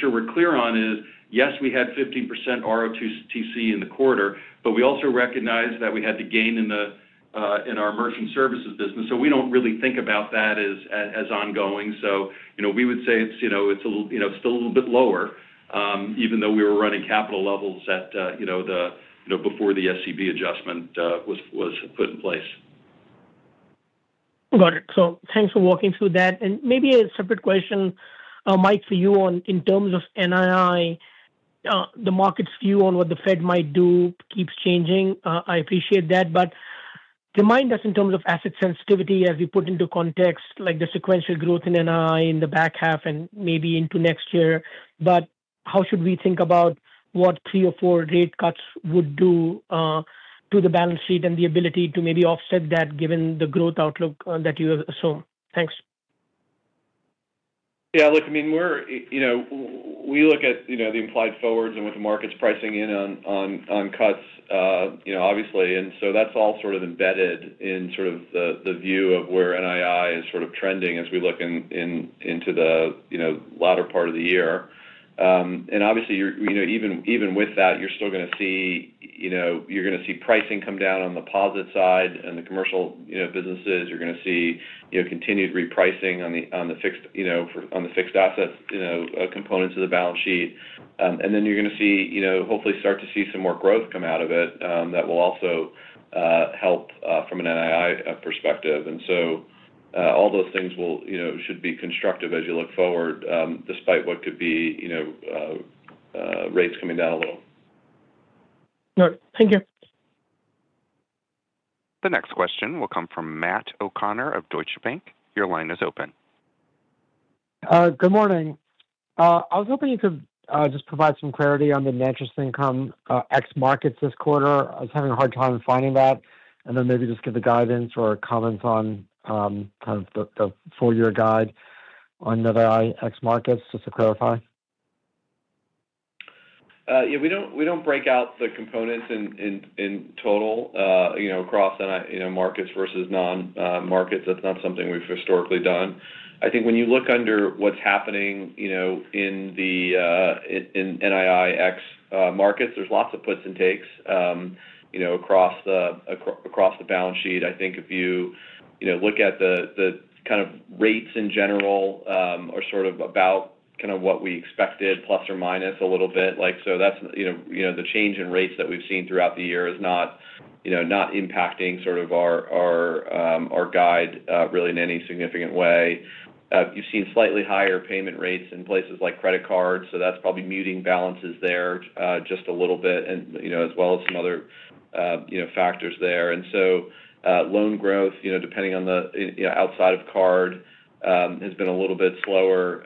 sure we're clear on is, yes, we had 15% ROTCE in the quarter, but we also recognize that we had the gain in our merchant services business. We do not really think about that as ongoing. We would say it is still a little bit lower, even though we were running capital levels before the SEB adjustment was put in place. Got it. Thanks for walking through that. Maybe a separate question, Mike, for you in terms of NII, the market's view on what the Fed might do keeps changing. I appreciate that. Remind us in terms of asset sensitivity as we put into context the sequential growth in NII in the back half and maybe into next year. How should we think about what three or four rate cuts would do to the balance sheet and the ability to maybe offset that given the growth outlook that you assume? Thanks. Yeah. Look, I mean, we look at the implied forwards and what the market's pricing in on cuts, obviously. That is all sort of embedded in the view of where NII is trending as we look into the latter part of the year. Obviously, even with that, you're still going to see pricing come down on the positive side in the commercial businesses. You're going to see continued repricing on the fixed asset components of the balance sheet. Then you're going to hopefully start to see some more growth come out of it that will also help from an NII perspective. All those things should be constructive as you look forward despite what could be rates coming down a little. All right. Thank you. The next question will come from Matt O'Connor of Deutsche Bank. Your line is open. Good morning. I was hoping you could just provide some clarity on the NII ex markets this quarter. I was having a hard time finding that. And then maybe just give the guidance or comments on kind of the full-year guide on NII ex markets just to clarify. Yeah. We do not break out the components in total across markets versus non-markets. That is not something we have historically done. I think when you look under what is happening in the NII ex markets, there are lots of puts and takes across the balance sheet. I think if you look at the kind of rates in general are sort of about kind of what we expected, plus or minus a little bit. The change in rates that we've seen throughout the year is not impacting our guide really in any significant way. You've seen slightly higher payment rates in places like credit cards. That's probably muting balances there just a little bit, as well as some other factors there. Loan growth, depending on the outside of card, has been a little bit slower.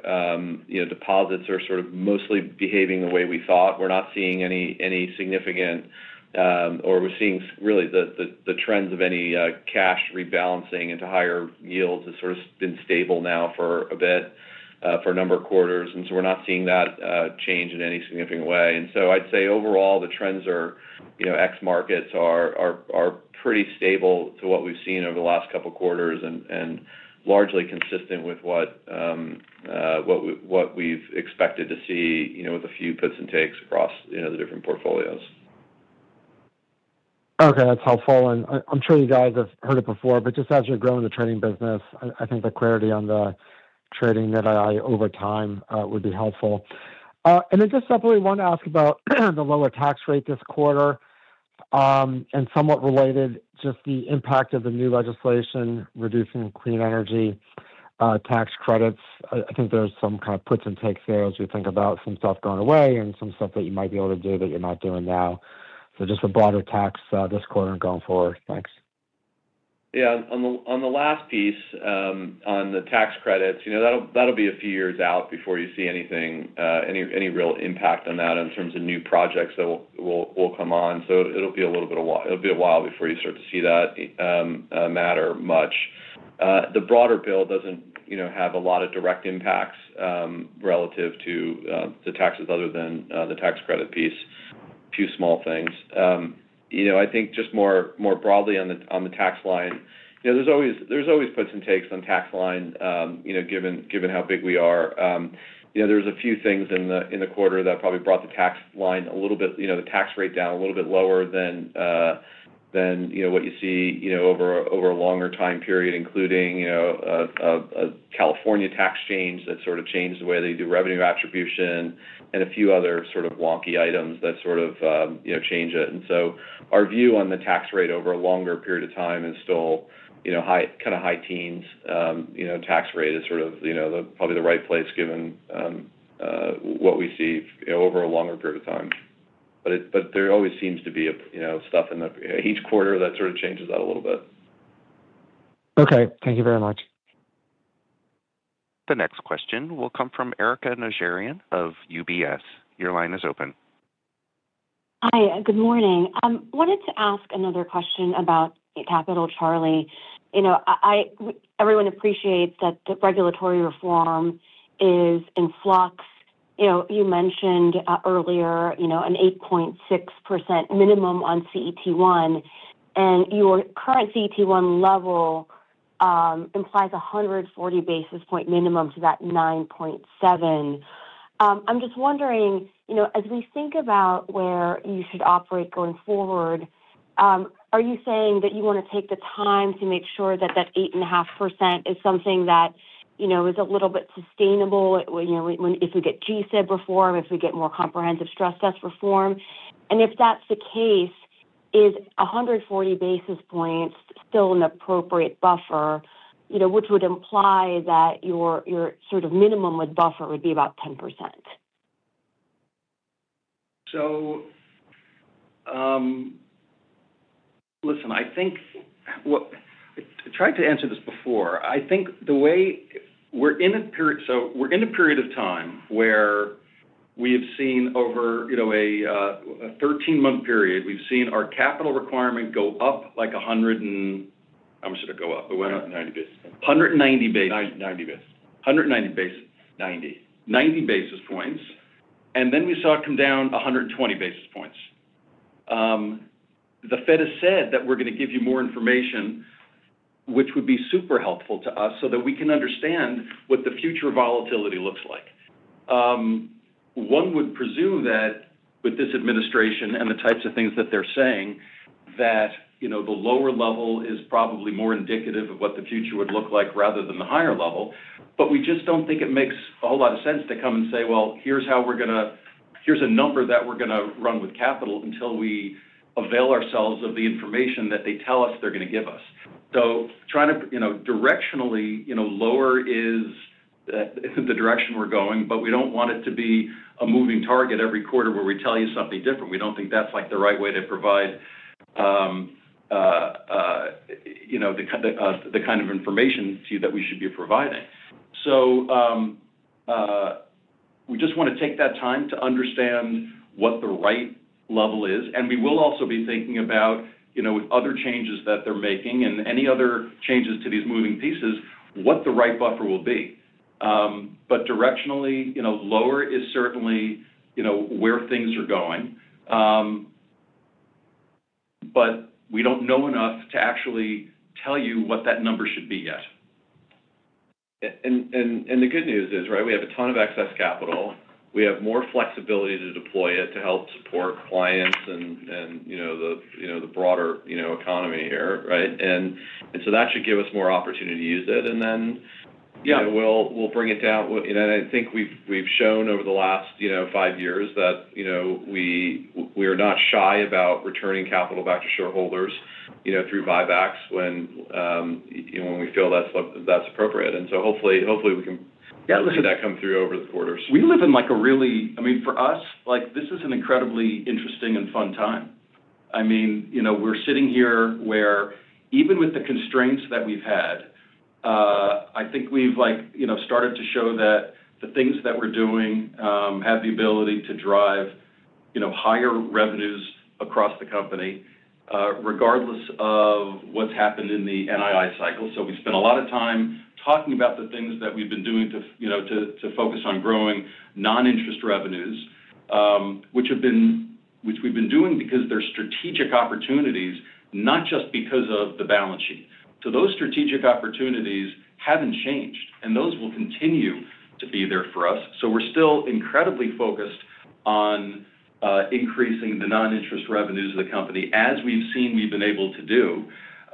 Deposits are mostly behaving the way we thought. We're not seeing any significant, or we're seeing really the trends of any cash rebalancing into higher yields has been stable now for a bit, for a number of quarters. We're not seeing that change in any significant way. I'd say overall, the trends are X markets are pretty stable to what we've seen over the last couple of quarters and largely consistent with what we've expected to see with a few puts and takes across the different portfolios. Okay. That's helpful. I'm sure you guys have heard it before, but just as you're growing the trading business, I think the clarity on the trading that I over time would be helpful. Then just separately, I want to ask about the lower tax rate this quarter and somewhat related just the impact of the new legislation reducing clean energy tax credits. I think there's some kind of puts and takes there as we think about some stuff going away and some stuff that you might be able to do that you're not doing now. Just the broader tax this quarter and going forward. Thanks. Yeah. On the last piece on the tax credits, that'll be a few years out before you see anything, any real impact on that in terms of new projects that will come on. It'll be a little bit of a while, it'll be a while before you start to see that matter much. The broader bill doesn't have a lot of direct impacts relative to the taxes other than the tax credit piece. A few small things. I think just more broadly on the tax line, there's always puts and takes on the tax line given how big we are. There's a few things in the quarter that probably brought the tax line a little bit, the tax rate down a little bit lower than what you see over a longer time period, including a California tax change that sort of changed the way they do revenue attribution and a few other sort of wonky items that sort of change it. Our view on the tax rate over a longer period of time is still kind of high teens. Tax rate is sort of probably the right place given what we see over a longer period of time. There always seems to be stuff in each quarter that sort of changes that a little bit. Okay. Thank you very much. The next question will come from Erika Najarian of UBS. Your line is open. Hi. Good morning. I wanted to ask another question about capital, Charlie. Everyone appreciates that the regulatory reform is in flux. You mentioned earlier an 8.6% minimum on CET1. And your current CET1 level implies 140 basis point minimum to that 9.7. I'm just wondering, as we think about where you should operate going forward, are you saying that you want to take the time to make sure that that 8.5% is something that is a little bit sustainable if we get GSIB reform, if we get more comprehensive stress test reform? And if that's the case, is 140 basis points still an appropriate buffer, which would imply that your sort of minimum with buffer would be about 10%? So listen, I think I tried to answer this before. I think the way we're in a period, so we're in a period of time where we have seen over a 13-month period, we've seen our capital requirement go up like 100 and how much did it go up? It went up 90 basis points. 190 basis. 90 basis. 190 basis. 90. 90 basis points. And then we saw it come down 120 basis points. The Fed has said that we're going to give you more information, which would be super helpful to us so that we can understand what the future volatility looks like. One would presume that with this administration and the types of things that they're saying, that the lower level is probably more indicative of what the future would look like rather than the higher level. We just do not think it makes a whole lot of sense to come and say, "Well, here is how we are going to, here is a number that we are going to run with capital until we avail ourselves of the information that they tell us they are going to give us." Trying to directionally lower is the direction we are going, but we do not want it to be a moving target every quarter where we tell you something different. We do not think that is the right way to provide the kind of information that we should be providing. We just want to take that time to understand what the right level is. We will also be thinking about, with other changes that they are making and any other changes to these moving pieces, what the right buffer will be. Directionally, lower is certainly where things are going. We do not know enough to actually tell you what that number should be yet. The good news is, right, we have a ton of excess capital. We have more flexibility to deploy it to help support clients and the broader economy here, right? That should give us more opportunity to use it. We will bring it down. I think we have shown over the last five years that we are not shy about returning capital back to shareholders through buybacks when we feel that is appropriate. Hopefully, we can see that come through over the quarters. We live in a really, I mean, for us, this is an incredibly interesting and fun time. I mean, we're sitting here where even with the constraints that we've had, I think we've started to show that the things that we're doing have the ability to drive higher revenues across the company regardless of what's happened in the NII cycle. We spent a lot of time talking about the things that we've been doing to focus on growing non-interest revenues, which we've been doing because they're strategic opportunities, not just because of the balance sheet. Those strategic opportunities haven't changed. Those will continue to be there for us. We're still incredibly focused on increasing the non-interest revenues of the company as we've seen we've been able to do.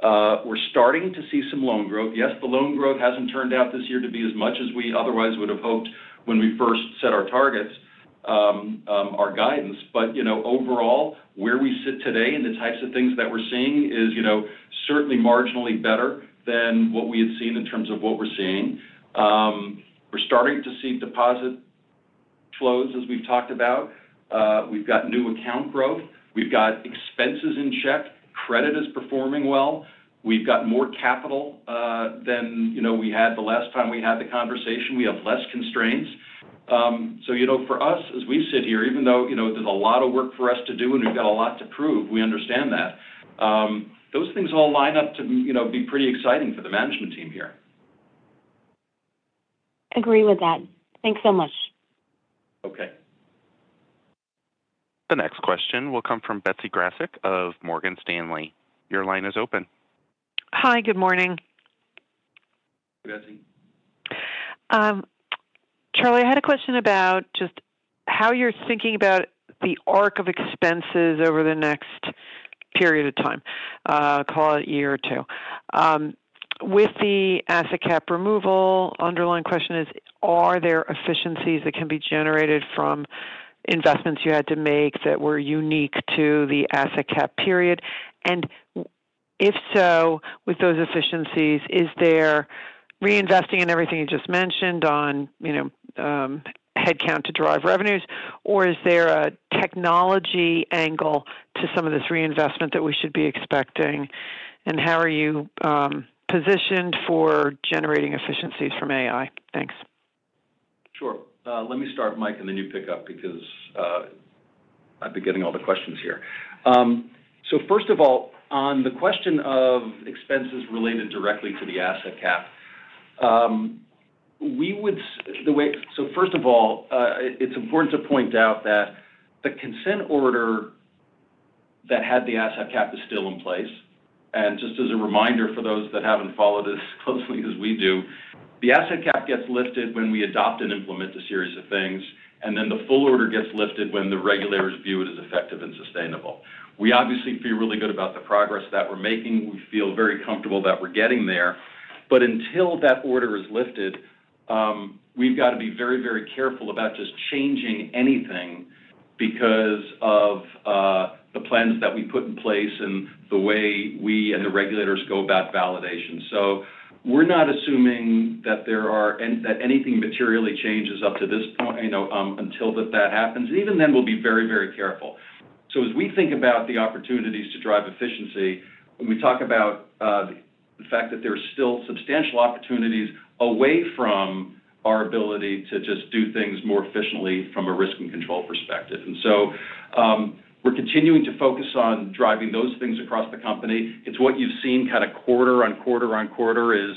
We're starting to see some loan growth. Yes, the loan growth hasn't turned out this year to be as much as we otherwise would have hoped when we first set our targets, our guidance. Overall, where we sit today and the types of things that we're seeing is certainly marginally better than what we had seen in terms of what we're seeing. We're starting to see deposit flows as we've talked about. We've got new account growth. We've got expenses in check. Credit is performing well. We've got more capital than we had the last time we had the conversation. We have less constraints. For us, as we sit here, even though there's a lot of work for us to do and we've got a lot to prove, we understand that. Those things all line up to be pretty exciting for the management team here. Agree with that. Thanks so much. Okay. The next question will come from Betsy Graseck of Morgan Stanley. Your line is open. Hi. Good morning. Hey, Betsy. Charlie, I had a question about just how you're thinking about the arc of expenses over the next period of time, call it a year or two. With the asset cap removal, underlying question is, are there efficiencies that can be generated from investments you had to make that were unique to the asset cap period? If so, with those efficiencies, is there reinvesting in everything you just mentioned on headcount to drive revenues, or is there a technology angle to some of this reinvestment that we should be expecting? How are you positioned for generating efficiencies from AI? Thanks. Sure. Let me start, Mike, and then you pick up because I've been getting all the questions here. First of all, on the question of expenses related directly to the asset cap, it's important to point out that the consent order that had the asset cap is still in place. Just as a reminder for those that haven't followed as closely as we do, the asset cap gets lifted when we adopt and implement a series of things. Then the full order gets lifted when the regulators view it as effective and sustainable. We obviously feel really good about the progress that we're making. We feel very comfortable that we're getting there. Until that order is lifted, we've got to be very, very careful about just changing anything because of the plans that we put in place and the way we and the regulators go about validation. We're not assuming that anything materially changes up to this point until that happens. Even then, we'll be very, very careful. As we think about the opportunities to drive efficiency, when we talk about the fact that there are still substantial opportunities away from our ability to just do things more efficiently from a risk and control perspective, we're continuing to focus on driving those things across the company. What you've seen kind of quarter on quarter on quarter is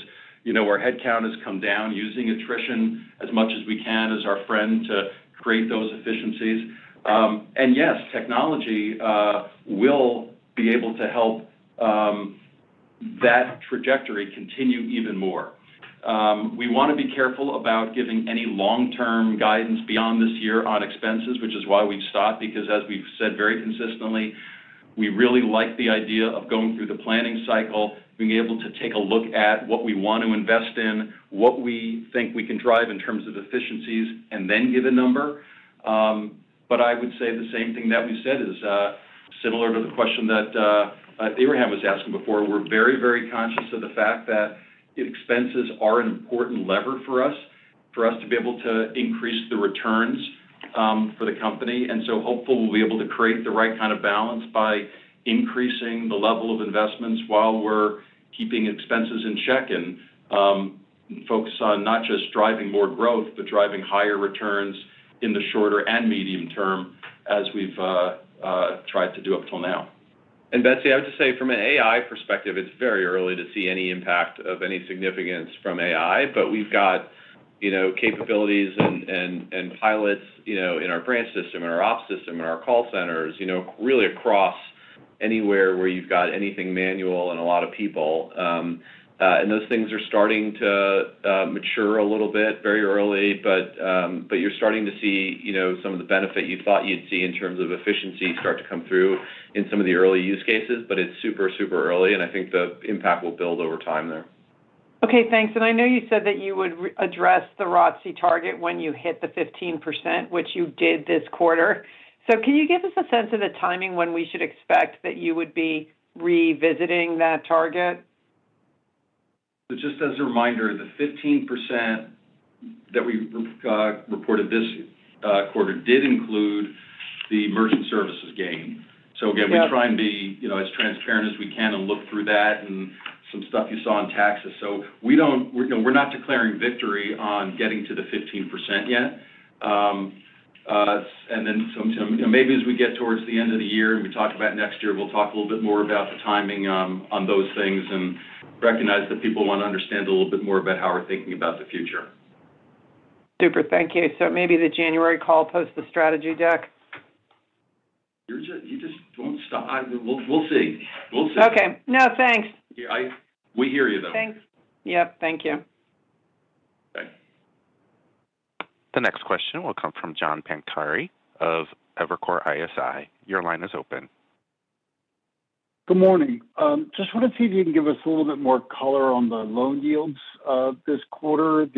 our headcount has come down, using attrition as much as we can as our friend to create those efficiencies. Yes, technology will be able to help that trajectory continue even more. We want to be careful about giving any long-term guidance beyond this year on expenses, which is why we've stopped because, as we've said very consistently, we really like the idea of going through the planning cycle, being able to take a look at what we want to invest in, what we think we can drive in terms of efficiencies, and then give a number. I would say the same thing that we said is similar to the question that Ibrahim was asking before. We're very, very conscious of the fact that expenses are an important lever for us, for us to be able to increase the returns for the company. Hopefully, we'll be able to create the right kind of balance by increasing the level of investments while we're keeping expenses in check and focus on not just driving more growth, but driving higher returns in the shorter and medium term as we've tried to do up until now. Betsy, I would just say from an AI perspective, it's very early to see any impact of any significance from AI. We've got capabilities and pilots in our branch system, in our ops system, in our call centers, really across anywhere where you've got anything manual and a lot of people. Those things are starting to mature a little bit, very early. You're starting to see some of the benefit you thought you'd see in terms of efficiency start to come through in some of the early use cases. It's super, super early. I think the impact will build over time there. Okay. Thanks. I know you said that you would address the ROTCE target when you hit the 15%, which you did this quarter. Can you give us a sense of the timing when we should expect that you would be revisiting that target? Just as a reminder, the 15% that we reported this quarter did include the merchant services gain. Again, we try and be as transparent as we can and look through that and some stuff you saw in taxes. We are not declaring victory on getting to the 15% yet. Then maybe as we get towards the end of the year and we talk about next year, we'll talk a little bit more about the timing on those things and recognize that people want to understand a little bit more about how we're thinking about the future. Super. Thank you. Maybe the January call post the strategy deck? You just won't stop. We'll see. We'll see. Okay. No, thanks. We hear you, though. Thanks. Yep. Thank you. Okay. The next question will come from John Pancari of Evercore ISI. Your line is open. Good morning. Just want to see if you can give us a little bit more color on the loan yields this quarter. It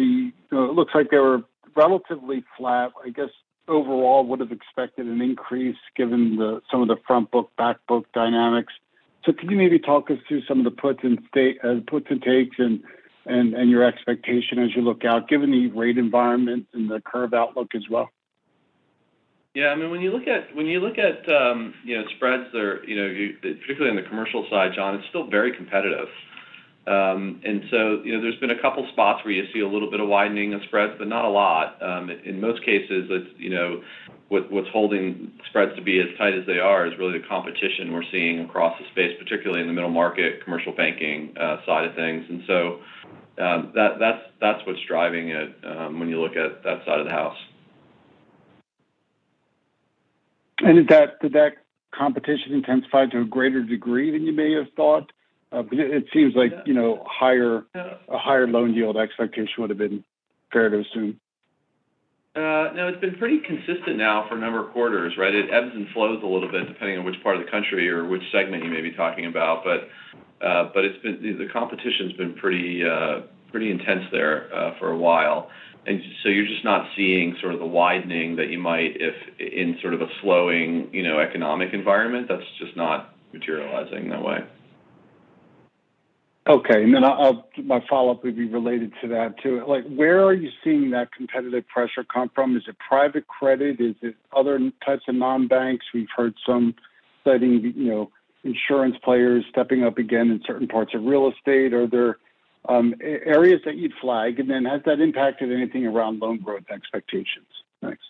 looks like they were relatively flat. I guess overall, would have expected an increase given some of the frontbook-backbook dynamics. Can you maybe talk us through some of the puts and takes and your expectation as you look out, given the rate environment and the curve outlook as well? Yeah. I mean, when you look at spreads, particularly on the commercial side, John, it is still very competitive. There have been a couple of spots where you see a little bit of widening of spreads, but not a lot. In most cases, what is holding spreads to be as tight as they are is really the competition we are seeing across the space, particularly in the middle market, commercial banking side of things. That is what is driving it when you look at that side of the house. Did that competition intensify to a greater degree than you may have thought? It seems like a higher loan yield expectation would have been fair to assume. No, it's been pretty consistent now for a number of quarters, right? It ebbs and flows a little bit depending on which part of the country or which segment you may be talking about. The competition has been pretty intense there for a while. You are just not seeing sort of the widening that you might in sort of a slowing economic environment. That is just not materializing that way. Okay. My follow-up would be related to that too. Where are you seeing that competitive pressure come from? Is it private credit? Is it other types of non-banks? We have heard some citing insurance players stepping up again in certain parts of real estate. Are there areas that you would flag? Has that impacted anything around loan growth expectations? Thanks.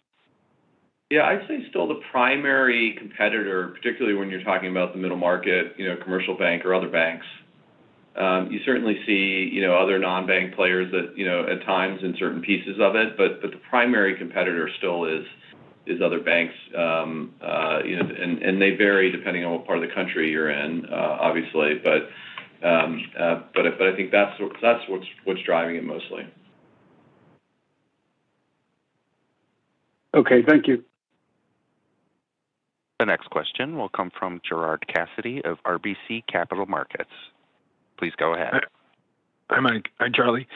Yeah. I'd say still the primary competitor, particularly when you're talking about the middle market, commercial bank, or other banks. You certainly see other non-bank players at times in certain pieces of it. The primary competitor still is other banks. They vary depending on what part of the country you're in, obviously. I think that's what's driving it mostly. Okay. Thank you. The next question will come from Gerard Cassidy of RBC Capital Markets. Please go ahead. Hi, Mike. Hi, Charlie.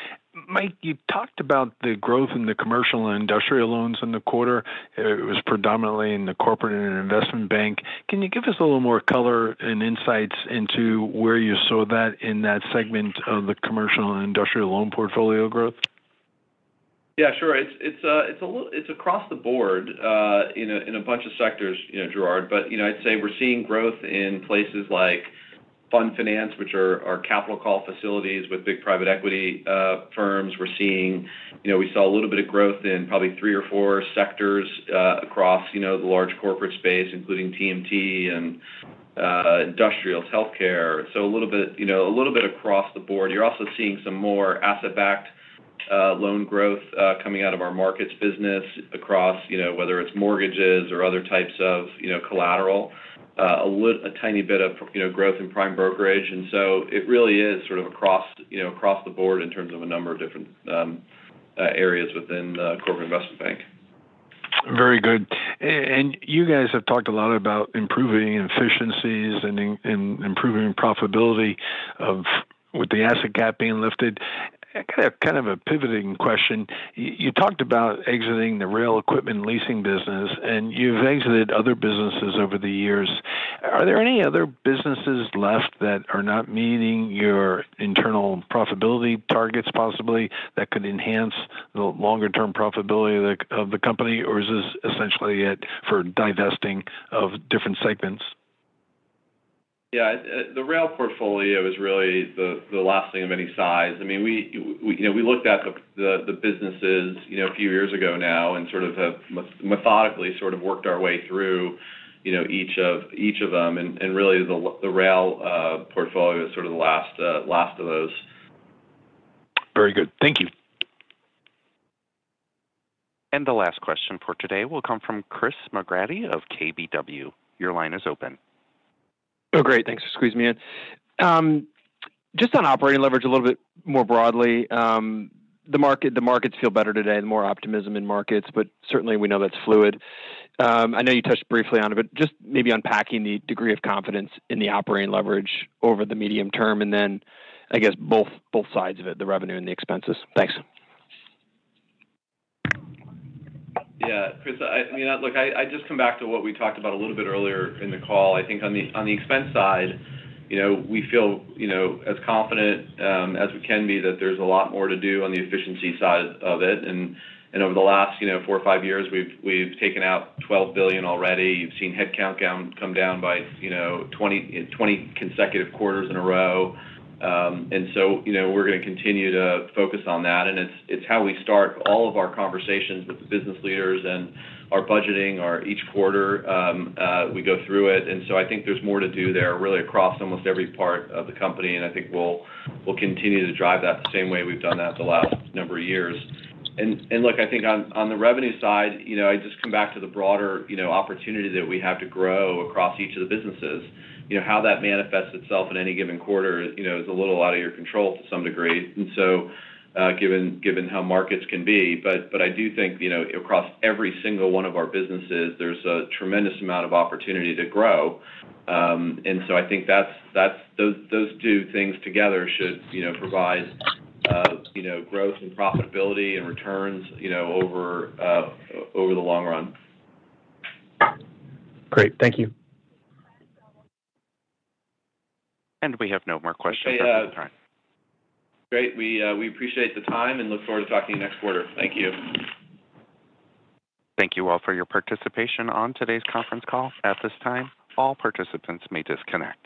Mike, you talked about the growth in the commercial and industrial loans in the quarter. It was predominantly in the corporate and investment bank. Can you give us a little more color and insights into where you saw that in that segment of the commercial and industrial loan portfolio growth? Yeah, sure. It's across the board in a bunch of sectors, Gerard. I'd say we're seeing growth in places like fund finance, which are capital call facilities with big private equity firms. We saw a little bit of growth in probably three or four sectors across the large corporate space, including TMT and industrials, healthcare. A little bit across the board. You're also seeing some more asset-backed loan growth coming out of our markets business across whether it's mortgages or other types of collateral. A tiny bit of growth in prime brokerage. It really is sort of across the board in terms of a number of different areas within the corporate investment bank. Very good. You guys have talked a lot about improving efficiencies and improving profitability with the asset cap being lifted. Kind of a pivoting question. You talked about exiting the rail equipment leasing business, and you've exited other businesses over the years. Are there any other businesses left that are not meeting your internal profitability targets possibly that could enhance the longer-term profitability of the company? Or is this essentially it for divesting of different segments? Yeah. The rail portfolio is really the last thing of any size. I mean, we looked at the businesses a few years ago now and sort of have methodically sort of worked our way through each of them. Really, the rail portfolio is sort of the last of those. Very good. Thank you. The last question for today will come from Chris McGrady of KBW. Your line is open. Oh, great. Thanks for squeezing me in. Just on operating leverage a little bit more broadly, the markets feel better today, more optimism in markets. Certainly, we know that's fluid. I know you touched briefly on it, but just maybe unpacking the degree of confidence in the operating leverage over the medium term and then, I guess, both sides of it, the revenue and the expenses. Thanks. Yeah. Chris, I mean, look, I just come back to what we talked about a little bit earlier in the call. I think on the expense side, we feel as confident as we can be that there's a lot more to do on the efficiency side of it. And over the last four or five years, we've taken out $12 billion already. You've seen headcount come down by 20 consecutive quarters in a row. We're going to continue to focus on that. It's how we start all of our conversations with the business leaders and our budgeting each quarter. We go through it. I think there is more to do there really across almost every part of the company. I think we will continue to drive that the same way we have done that the last number of years. I think on the revenue side, I just come back to the broader opportunity that we have to grow across each of the businesses. How that manifests itself in any given quarter is a little out of your control to some degree, given how markets can be. I do think across every single one of our businesses, there is a tremendous amount of opportunity to grow. I think those two things together should provide growth and profitability and returns over the long run. Great. Thank you. We have no more questions at this time. Great. We appreciate the time and look forward to talking next quarter. Thank you. Thank you all for your participation on today's conference call. At this time, all participants may disconnect.